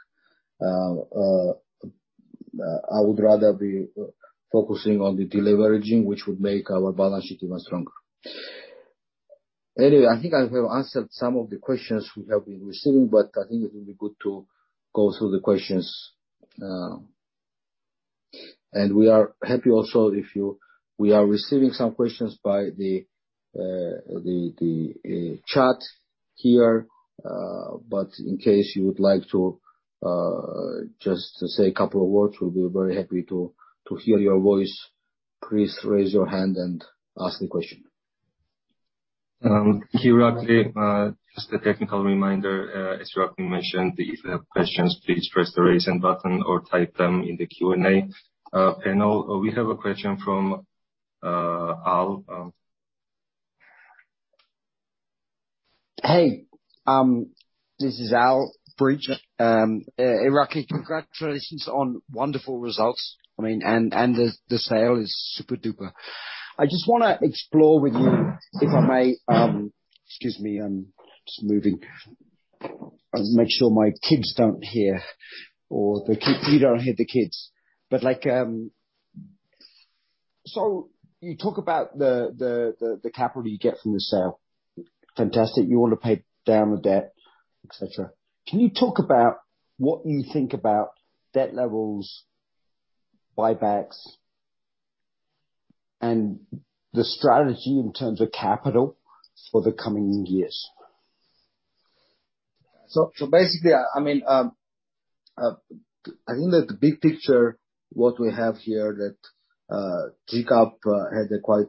I would rather be focusing on the deleveraging, which would make our balance sheet even stronger. Anyway, I think I have answered some of the questions we have been receiving, but I think it will be good to go through the questions. We are happy also if you. We are receiving some questions by the chat here. But in case you would like to just to say a couple of words, we'll be very happy to hear your voice. Please raise your hand and ask the question. Here, Irakli, just a technical reminder, as Irakli mentioned, if you have questions, please press the raise hand button or type them in the Q&A panel. We have a question from Al. Hey, this is Al Bridge. Irakli, congratulations on wonderful results. I mean, the sale is super-duper. I just wanna explore with you if I may. You talked about the capital you get from the sale. Fantastic. You wanna pay down the debt, et cetera. Can you talk about what you think about debt levels, buybacks? The strategy in terms of capital for the coming years. Basically, I mean, I think that the big picture is what we have here, that GCAP had a quite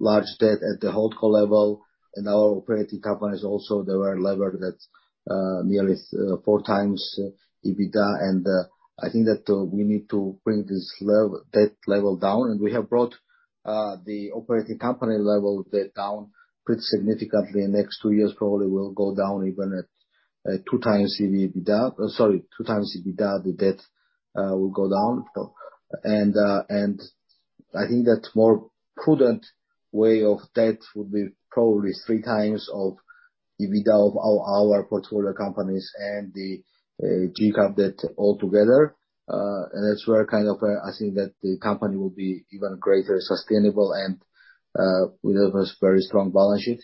large debt at the holdco level and our operating companies also they were levered at nearly 4x EBITDA. I think that we need to bring this debt level down. We have brought the operating company level debt down pretty significantly. The next 2 years probably will go down even at 2x EBITDA, the debt will go down. I think that a more prudent way of debt would be probably 3x EBITDA of our portfolio companies and the GCAP debt all together. That's where kind of I think that the company will be even greater sustainable and we have a very strong balance sheet.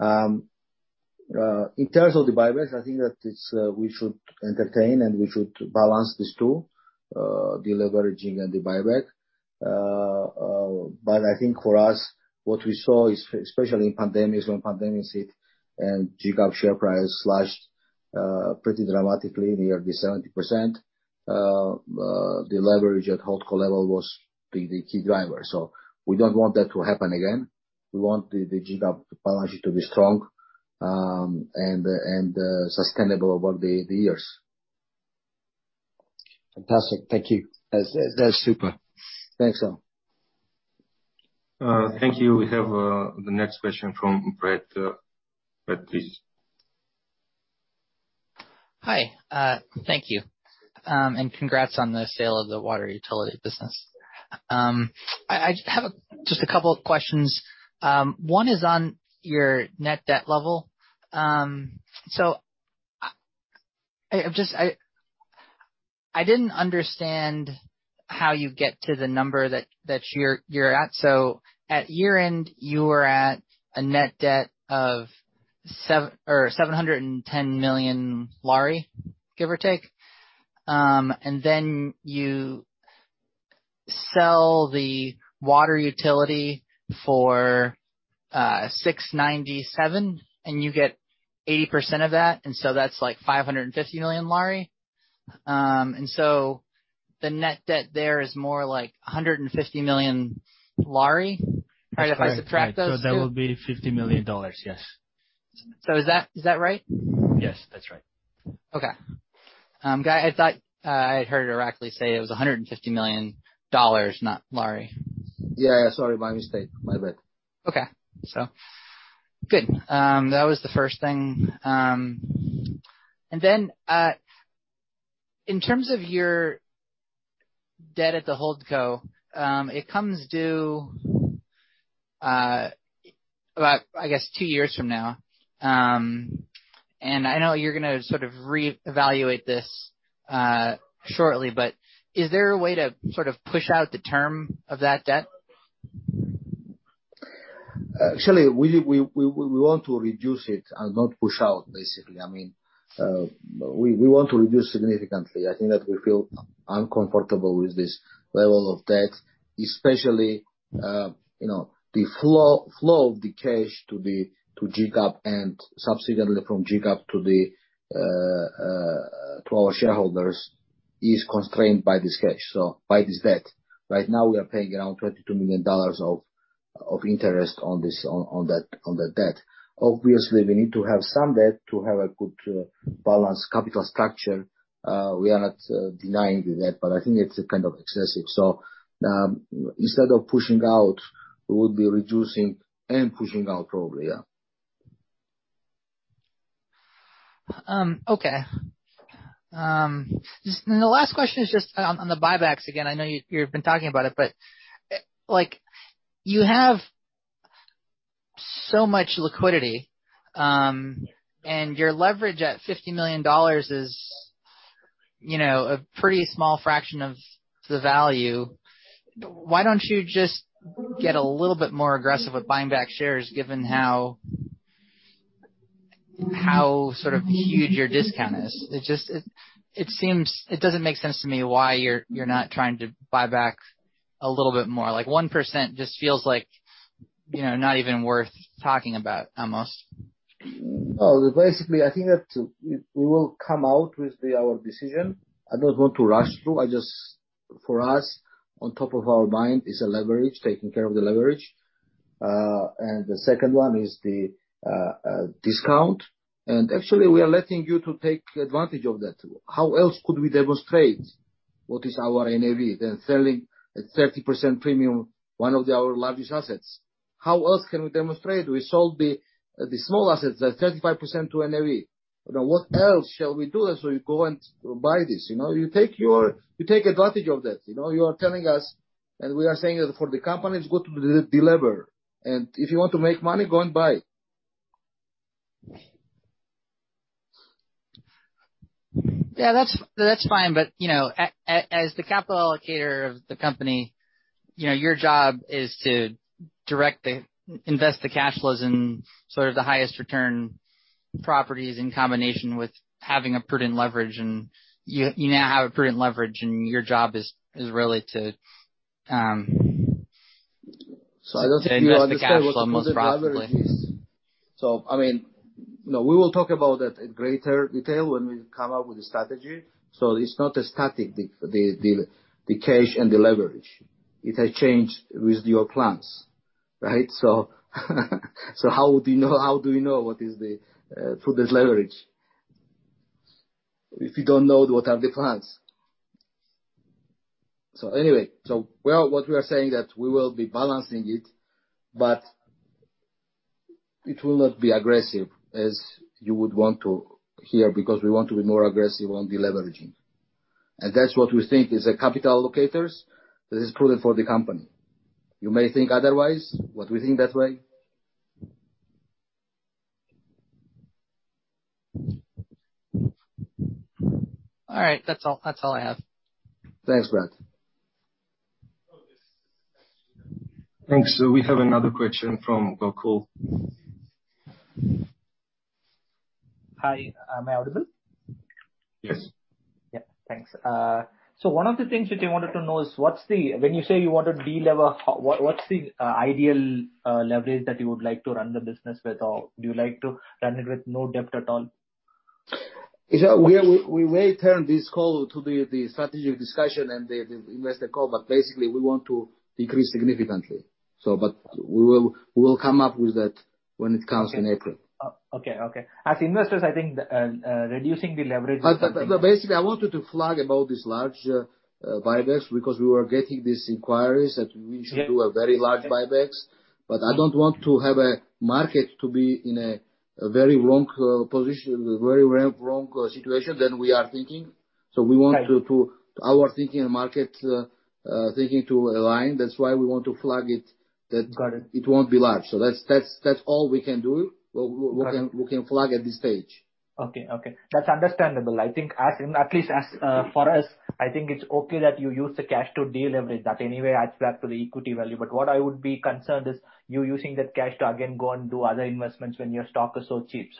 In terms of the buybacks, I think that it's we should entertain and we should balance these two deleveraging and the buyback. But I think for us, what we saw is, especially in pandemic, when pandemic hit and GCAP share price slashed pretty dramatically near the 70%, the leverage at holdco level was the key driver. We don't want that to happen again. We want the GCAP balance sheet to be strong and sustainable over the years. Fantastic. Thank you. That's super. Thanks, all. Thank you. We have the next question from Brett. Brett, please. Hi. Thank you. And congrats on the sale of the water utility business. I have just a couple of questions. One is on your net debt level. I'm just. I didn't understand how you get to the number that you're at. At year-end, you were at a net debt of GEL 710 million, give or take. Then you sell the water utility for GEL 697 million, and you get 80% of that. That's, like, GEL 550 million. The net debt there is more like GEL 150 million. Right? If I subtract those two. That would be $50 million, yes. Is that right? Yes, that's right. Okay. I thought I'd heard Irakli say it was $150 million, not Lari. Yeah. Sorry, my mistake. My bad. Okay. Good. That was the first thing. Then, in terms of your debt at the holdco, it comes due about, I guess, 2 years from now. I know you're gonna sort of re-evaluate this shortly, but is there a way to sort of push out the term of that debt? Actually we want to reduce it and not push out, basically. I mean, we want to reduce significantly. I think that we feel uncomfortable with this level of debt, especially, you know, the flow of the cash to the GCAP and subsequently from GCAP to our shareholders is constrained by this cash, so by this debt. Right now we are paying around $22 million of interest on that debt. Obviously, we need to have some debt to have a good balanced capital structure. We are not denying the debt, but I think it's kind of excessive. Instead of pushing out, we would be reducing and pushing out probably, yeah. Just the last question is just on the buybacks again. I know you've been talking about it, but like, you have so much liquidity, and your leverage at $50 million is, you know, a pretty small fraction of the value. Why don't you just get a little bit more aggressive with buying back shares given how sort of huge your discount is? It just seems it doesn't make sense to me why you're not trying to buy back a little bit more. Like, 1% just feels like, you know, not even worth talking about almost. No. Basically, I think that we will come out with our decision. I don't want to rush through. I just, for us, top of mind is the leverage, taking care of the leverage. The second one is the discount. Actually we are letting you to take advantage of that. How else could we demonstrate what is our NAV than selling at 30% premium one of our largest assets? How else can we demonstrate? We sold the small assets at 35% to NAV. You know, what else shall we do so you go and buy this, you know? You take advantage of that. You know, you are telling us, and we are saying that for the company, it's good to delever. If you want to make money, go and buy. Yeah, that's fine. You know, as the capital allocator of the company, you know, your job is to- Invest the cash flows in sort of the highest return properties in combination with having a prudent leverage. You now have a prudent leverage, and your job is really to I don't think you understand what prudent leverage is. To invest the cash flow most profitably. I mean, no, we will talk about that in greater detail when we come up with a strategy. It's not a static, the cash and the leverage. It has changed with your plans, right? How do you know, how do we know what is the prudent leverage? If you don't know what are the plans. Anyway, what we are saying that we will be balancing it, but it will not be aggressive as you would want to hear, because we want to be more aggressive on deleveraging. That's what we think as capital allocators, that is prudent for the company. You may think otherwise, but we think that way. All right. That's all I have. Thanks, Brett. Thanks. We have another question from Gokul. Hi. Am I audible? Yes. One of the things which I wanted to know is, when you say you want to de-lever, what's the ideal leverage that you would like to run the business with? Or do you like to run it with no debt at all? With that, we may turn this call to the strategic discussion and the investor call, but basically we want to decrease significantly. We will come up with that when it comes in April. Okay. As investors, I think reducing the leverage is something. Basically, I wanted to flag about this large buybacks because we were getting these inquiries that we should do a very large buybacks. I don't want to have a market to be in a very wrong position, very wrong situation than we are thinking. Right. We want our thinking and market thinking to align. That's why we want to flag it that- Got it. It won't be large. That's all we can do. We can flag at this stage. Okay. That's understandable. I think for us, I think it's okay that you use the cash to deleverage that anyway adds back to the equity value. What I would be concerned is you using that cash to again go and do other investments when your stock is so cheap.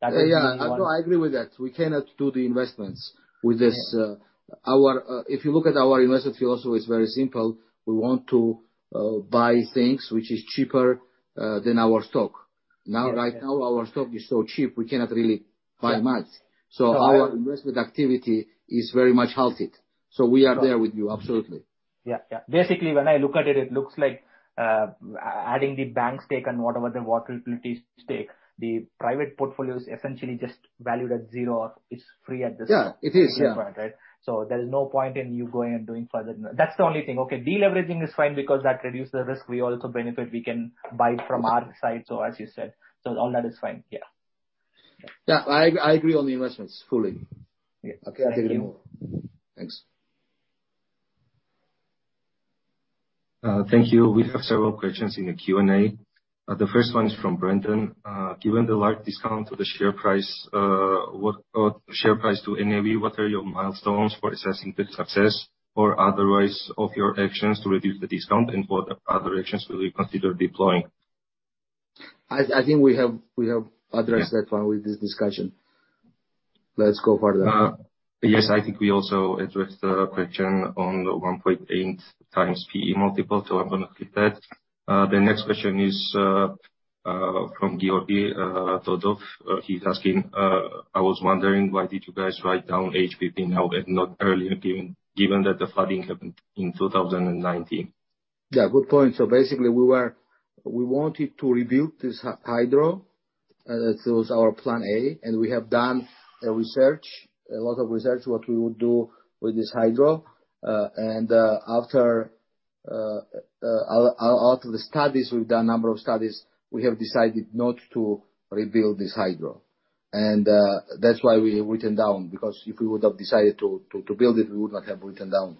That is the only one- Yeah. No, I agree with that. We cannot do the investments with this. Yeah. If you look at our investment philosophy, it's very simple. We want to buy things which is cheaper than our stock. Right. Now, right now, our stock is so cheap we cannot really buy much. Yeah. Our investment activity is very much halted. We are there with you. Absolutely. Yeah. Yeah. Basically, when I look at it looks like, adding the bank stake and whatever the water utilities stake, the private portfolio is essentially just valued at zero or is free at this point. Yeah. It is, yeah. Right? There's no point in you going and doing further. That's the only thing. Okay, deleveraging is fine because that reduces the risk. We also benefit. We can buy from our side. As you said, so all that is fine. Yeah. Yeah. I agree on the investments fully. Yeah. Thank you. Okay. I hear you. Thanks. Thank you. We have several questions in the Q&A. The first one is from Brendan. Given the large discount of the share price to NAV, what are your milestones for assessing the success or otherwise of your actions to reduce the discount, and what other actions will you consider deploying? I think we have addressed that one with this discussion. Let's go further. Yes, I think we also addressed the question on the 1.8x PE multiple. I'm gonna skip that. The next question is from Giorgi Togonidze. He's asking, I was wondering why did you guys write down HPP now and not earlier, given that the funding happened in 2019? Yeah, good point. Basically, we wanted to rebuild this hydro. That was our plan A. We have done a research, a lot of research, what we would do with this hydro. After the studies, we've done a number of studies. We have decided not to rebuild this hydro. That's why we written down, because if we would have decided to build it, we would not have written down.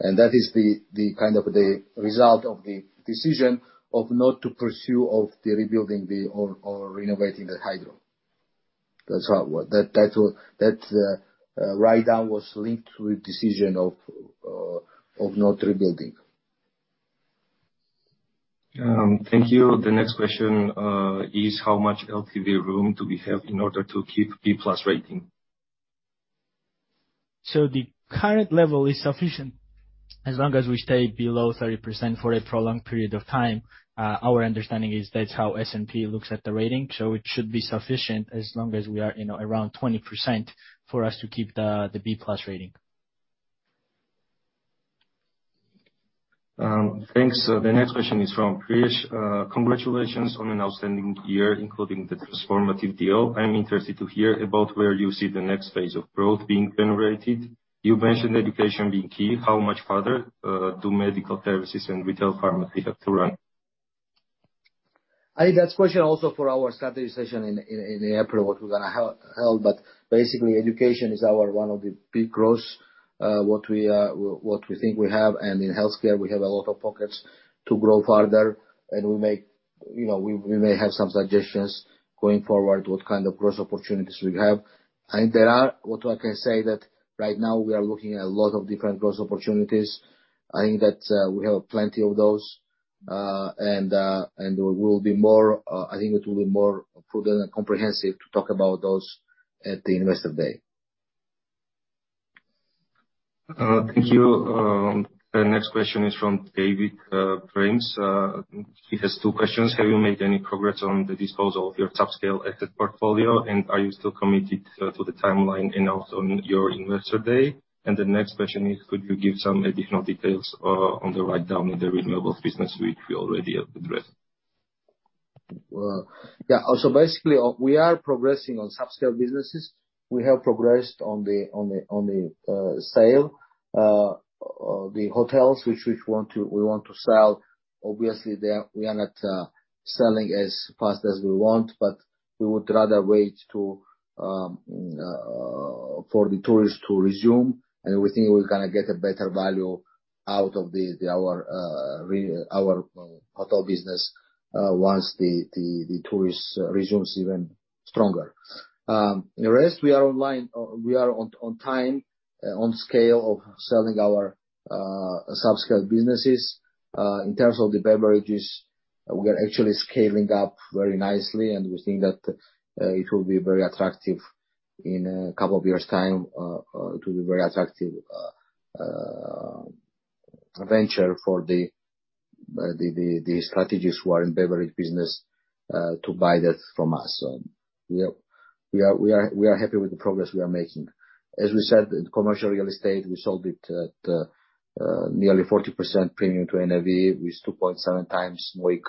That is the kind of the result of the decision of not to pursue of the rebuilding or renovating the hydro. That's how it work. That write down was linked to a decision of not rebuilding. Thank you. The next question is how much LTV room do we have in order to keep B+ rating? The current level is sufficient, as long as we stay below 30% for a prolonged period of time. Our understanding is that's how S&P looks at the rating, so it should be sufficient as long as we are, you know, around 20% for us to keep the B+ rating. Thanks. The next question is from Krish. Congratulations on an outstanding year, including the transformative deal. I'm interested to hear about where you see the next phase of growth being generated. You mentioned education being key. How much further do medical services and retail pharmacy have to run? I think that's a question also for our strategy session in April, what we're gonna hold. Basically, education is one of our big growth we think we have. In healthcare, we have a lot of pockets to grow further, and you know, we may have some suggestions going forward, what kind of growth opportunities we have. What I can say is that right now we are looking at a lot of different growth opportunities. I think that we have plenty of those. We will be more, I think it will be more prudent and comprehensive to talk about those at the Investor Day. Thank you. The next question is from David Pryce. He has two questions. Have you made any progress on the disposal of your subscale asset portfolio? Are you still committed to the timeline announced on your Investor Day? The next question is, could you give some additional details on the write-down in the renewables business which we already have addressed? Well, yeah. Basically, we are progressing on subscale businesses. We have progressed on the sale of the hotels which we want to sell. Obviously, we are not selling as fast as we want, but we would rather wait for the tourists to resume. We think we're gonna get a better value out of our hotel business once the tourists resumes even stronger. The rest we are on time, on schedule for selling our subscale businesses. In terms of the beverages, we are actually scaling up very nicely, and we think that it will be very attractive in a couple of years' time venture for the strategists who are in beverages business to buy that from us. We are happy with the progress we are making. As we said, in commercial real estate, we sold it at nearly 40% premium to NAV with 2.7x MOIC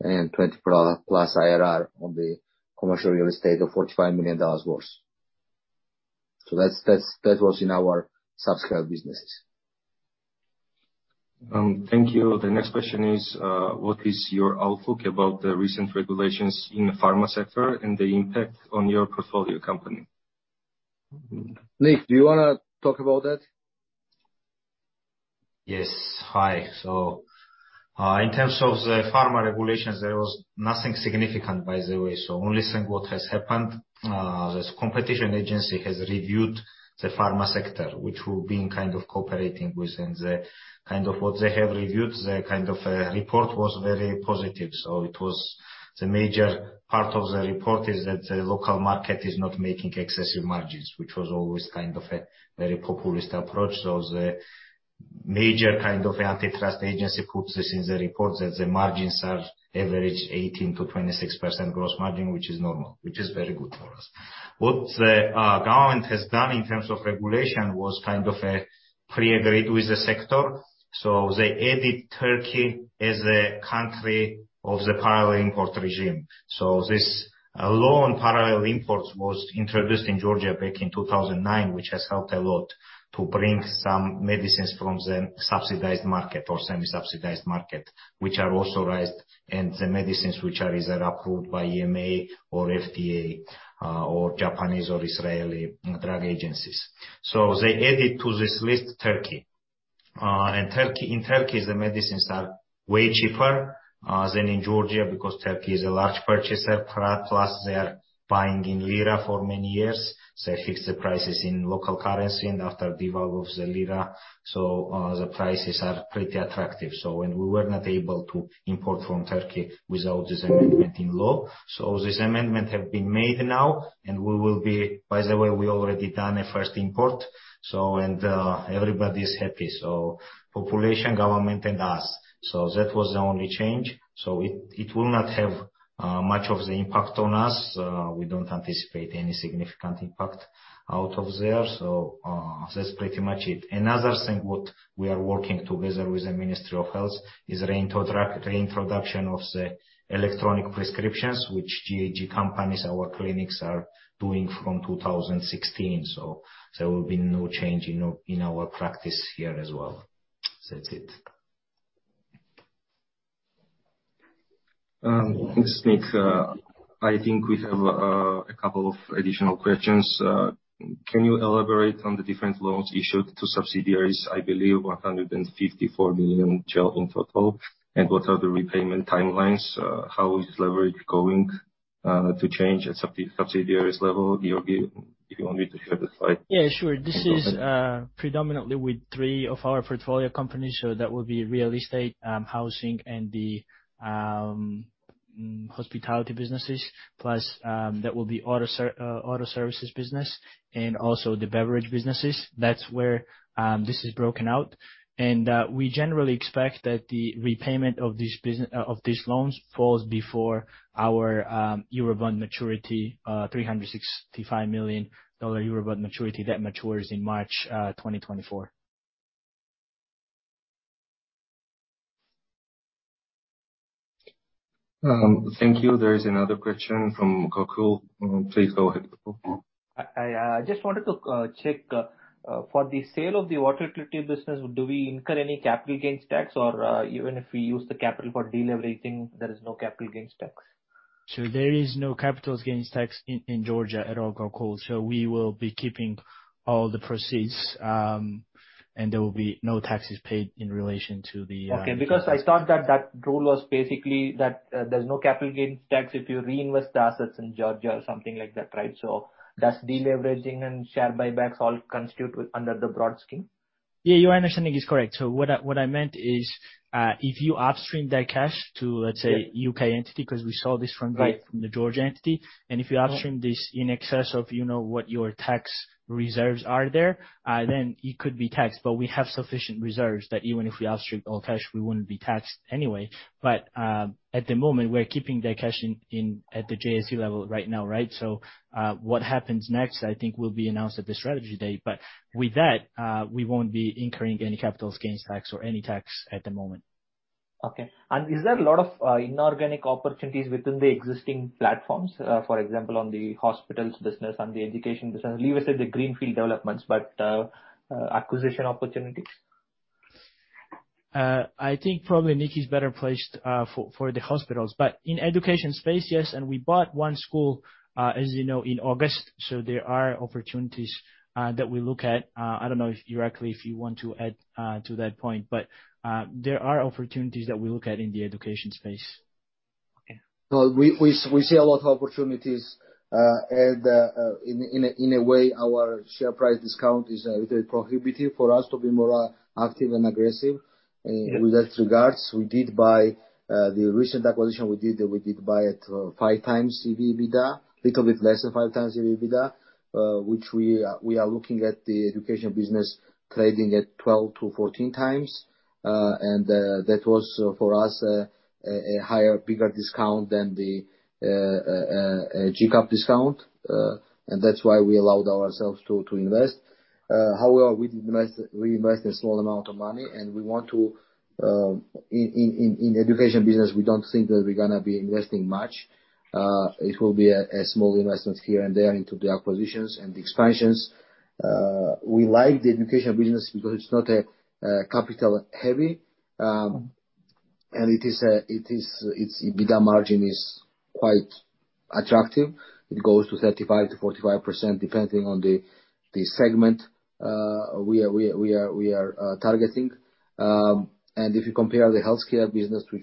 and 20%+ IRR on the commercial real estate of $45 million worth. So that was in our subscale businesses. Thank you. The next question is, what is your outlook about the recent regulations in the pharma sector and the impact on your portfolio company? Nick, do you wanna talk about that? Yes. Hi. In terms of the pharma regulations, there was nothing significant by the way. Only thing what has happened, this competition agency has reviewed the pharma sector, which we've been kind of cooperating with. What they have reviewed, the report was very positive. The major part of the report is that the local market is not making excessive margins, which was always kind of a very populist approach. The major kind of antitrust agency puts this in the report that the margins are average 18%-26% gross margin, which is normal, which is very good for us. What the government has done in terms of regulation was kind of a pre-agreed with the sector. They added Turkey as a country of the parallel import regime. This law on parallel imports was introduced in Georgia back in 2009, which has helped a lot to bring some medicines from the subsidized market or semi-subsidized market, which are authorized, and the medicines which are either approved by EMA or FDA, or Japanese or Israeli drug agencies. They added to this list Turkey. In Turkey, the medicines are way cheaper than in Georgia because Turkey is a large purchaser. Plus they are buying in lira for many years. They fixed the prices in local currency and after devalue of the lira, so the prices are pretty attractive. We were not able to import from Turkey without this amendment in law. This amendment have been made now, and we will be. By the way, we already done a first import, everybody is happy, so population, government, and us. That was the only change. It will not have much of the impact on us. We don't anticipate any significant impact out of there. That's pretty much it. Another thing what we are working together with the Ministry of Health is reintroduction of the electronic prescriptions, which GHG companies, our clinics are doing from 2016. There will be no change in our practice here as well. That's it. Thanks, Nick. I think we have a couple of additional questions. Can you elaborate on the different loans issued to subsidiaries? I believe GEL 154 million in total. What are the repayment timelines? How is leverage going to change at subsidiaries level? Giorgi, if you want me to share the slide- Yeah, sure. You can go ahead. This is predominantly with three of our portfolio companies. That would be real estate, housing, and the hospitality businesses. Plus, that will be auto services business and also the beverage businesses. That's where this is broken out. We generally expect that the repayment of these loans falls before our Eurobond maturity, $365 million Eurobond maturity that matures in March 2024. Thank you. There is another question from Gokul. Please go ahead, Gokul. I just wanted to check for the sale of the water utility business, do we incur any capital gains tax? Or, even if we use the capital for deleveraging, there is no capital gains tax? There is no capital gains tax in Georgia at all Gokul, so we will be keeping all the proceeds, and there will be no taxes paid in relation to the. Okay. Because I thought that that rule was basically that, there's no capital gains tax if you reinvest the assets in Georgia or something like that, right? Does de-leveraging and share buybacks all constitute under the broad scheme? Yeah, your understanding is correct. What I meant is, if you upstream that cash to, let's say- Yeah U.K. entity, 'cause we saw this from the Right... from the Georgia entity. If you upstream this in excess of, you know, what your tax reserves are there, then it could be taxed. But we have sufficient reserves that even if we upstream all cash, we wouldn't be taxed anyway. But at the moment, we're keeping that cash at the JSC level right now, right? So what happens next I think will be announced at the strategy day. But with that, we won't be incurring any capital gains tax or any tax at the moment. Okay. Is there a lot of inorganic opportunities within the existing platforms, for example, on the hospitals business and the education business? Leave aside the greenfield developments, but acquisition opportunities. I think probably Nick's better placed for the hospitals. In education space, yes, and we bought one school, as you know, in August. There are opportunities that we look at. I don't know if, Irakli, you want to add to that point. There are opportunities that we look at in the education space. Okay. We see a lot of opportunities. In a way, our share price discount is a little prohibitive for us to be more active and aggressive. Yeah With regard to that. We did buy the recent acquisition we did at five times EBITDA, a little bit less than 5x EBITDA, which we are looking at the education business trading at 12x-14x. That was for us a higher bigger discount than the GCAP discount. That's why we allowed ourselves to invest. However, we did invest, we invest a small amount of money, and we want to. In education business, we don't think that we're gonna be investing much. It will be a small investment here and there into the acquisitions and the expansions. We like the education business because it's not a capital heavy. It is a it is. Its EBITDA margin is quite attractive. It goes to 35%-45%, depending on the segment we are targeting. If you compare the healthcare business, which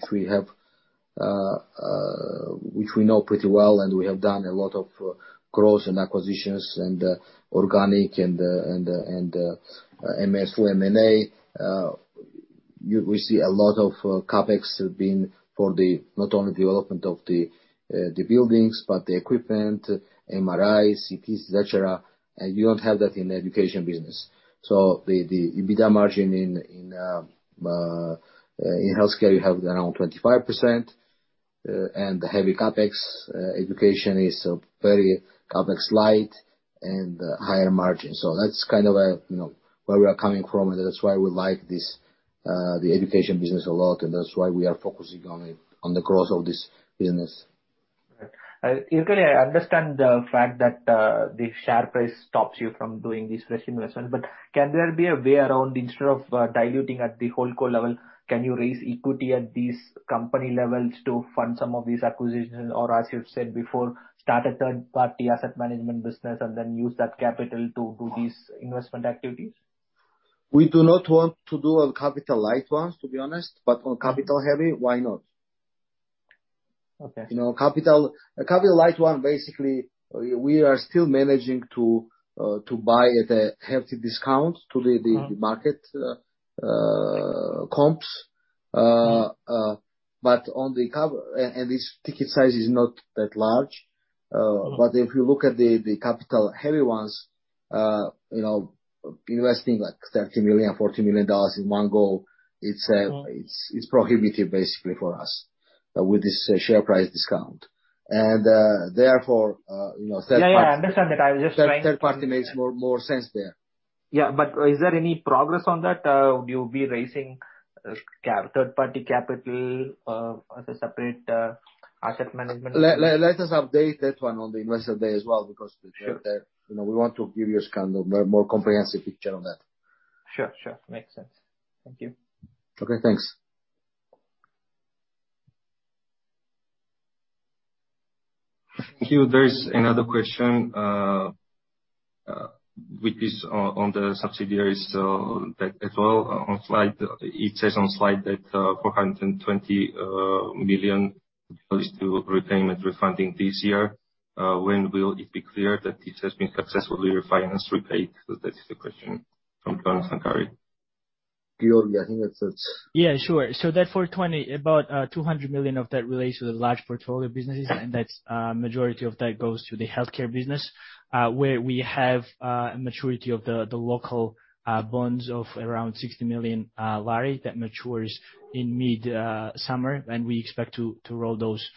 we know pretty well, and we have done a lot of growth and acquisitions and organic and MSO M&A, we see a lot of CapEx being for not only development of the buildings, but the equipment, MRIs, CTs, et cetera. You don't have that in the education business. The EBITDA margin in healthcare you have around 25% and heavy CapEx. Education is very CapEx light and higher margin. That's kind of, you know, where we are coming from, and that's why we like this, the education business a lot, and that's why we are focusing on it, on the growth of this business. Right. Irakli, I understand the fact that, the share price stops you from doing this fresh investment. Can there be a way around instead of, diluting at the holdco level, can you raise equity at these company levels to fund some of these acquisitions? Or as you've said before, start a third-party asset management business and then use that capital to do these investment activities? We do not want to do on capital light ones, to be honest. On capital heavy, why not? Okay. You know, capital, a capital light one, basically, we are still managing to buy at a healthy discount to the market comps. This ticket size is not that large. Mm-hmm. If you look at the capital heavy ones, you know, investing like $30 million-$40 million in one go, it's Mm-hmm... it's prohibitive basically for us, with this share price discount. Therefore, you know, third par- Yeah, yeah, I understand that. I was just trying. Third party makes more sense there. Is there any progress on that? Would you be raising cap, third-party capital, as a separate asset management? Let us update that one on the Investor Day as well. Sure You know, we want to give you a kind of more comprehensive picture on that. Sure, sure. Makes sense. Thank you. Okay, thanks. Thank you. There's another question with this on the subsidiaries that as well on slide. It says on slide that GEL 420 million relates to repayment refunding this year. When will it be clear that this has been successfully refinanced, repaid? So that is the question from [Clarence Ngari]. Giorgi, I think that's. Yeah, sure. That GEL 420 million, about GEL 200 million of that relates to the large portfolio businesses. That's majority of that goes to the healthcare business, where we have a maturity of the local bonds of around GEL 60 million that matures in mid summer. We expect to roll those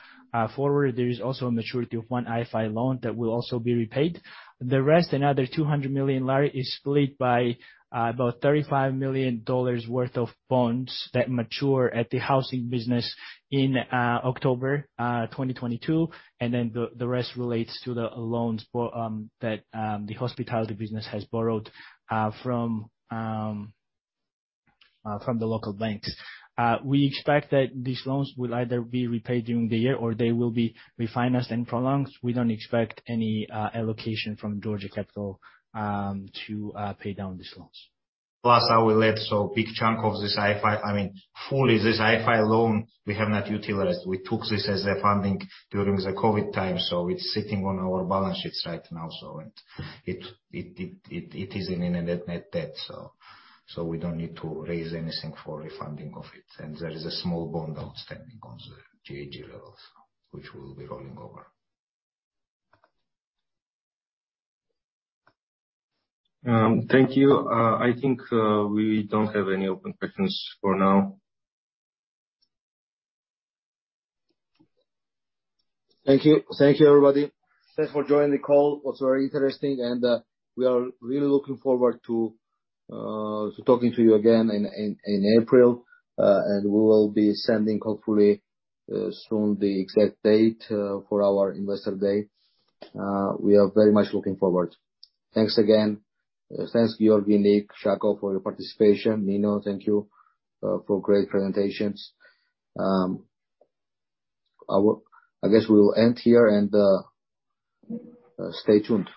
forward. There is also a maturity of one IFI loan that will also be repaid. The rest, another GEL 200 million, is split by about $35 million worth of bonds that mature at the housing business in October 2022. Then the rest relates to the loans that the hospitality business has borrowed from the local banks. We expect that these loans will either be repaid during the year or they will be refinanced and prolonged. We don't expect any allocation from Georgia Capital to pay down these loans. Plus our lead, so big chunk of this IFI, I mean, fully this IFI loan we have not utilized. We took this as a funding during the COVID time, so it's sitting on our balance sheets right now, so it is in a net-net debt, so we don't need to raise anything for refunding of it. There is a small bond outstanding on the GHG levels, which we'll be rolling over. Thank you. I think we don't have any open questions for now. Thank you. Thank you, everybody. Thanks for joining the call. It was very interesting and we are really looking forward to talking to you again in April. We will be sending hopefully soon the exact date for our Investor Day. We are very much looking forward. Thanks again. Thanks Giorgi, Nick, Shako for your participation. Nino, thank you for great presentations. I guess we'll end here and stay tuned.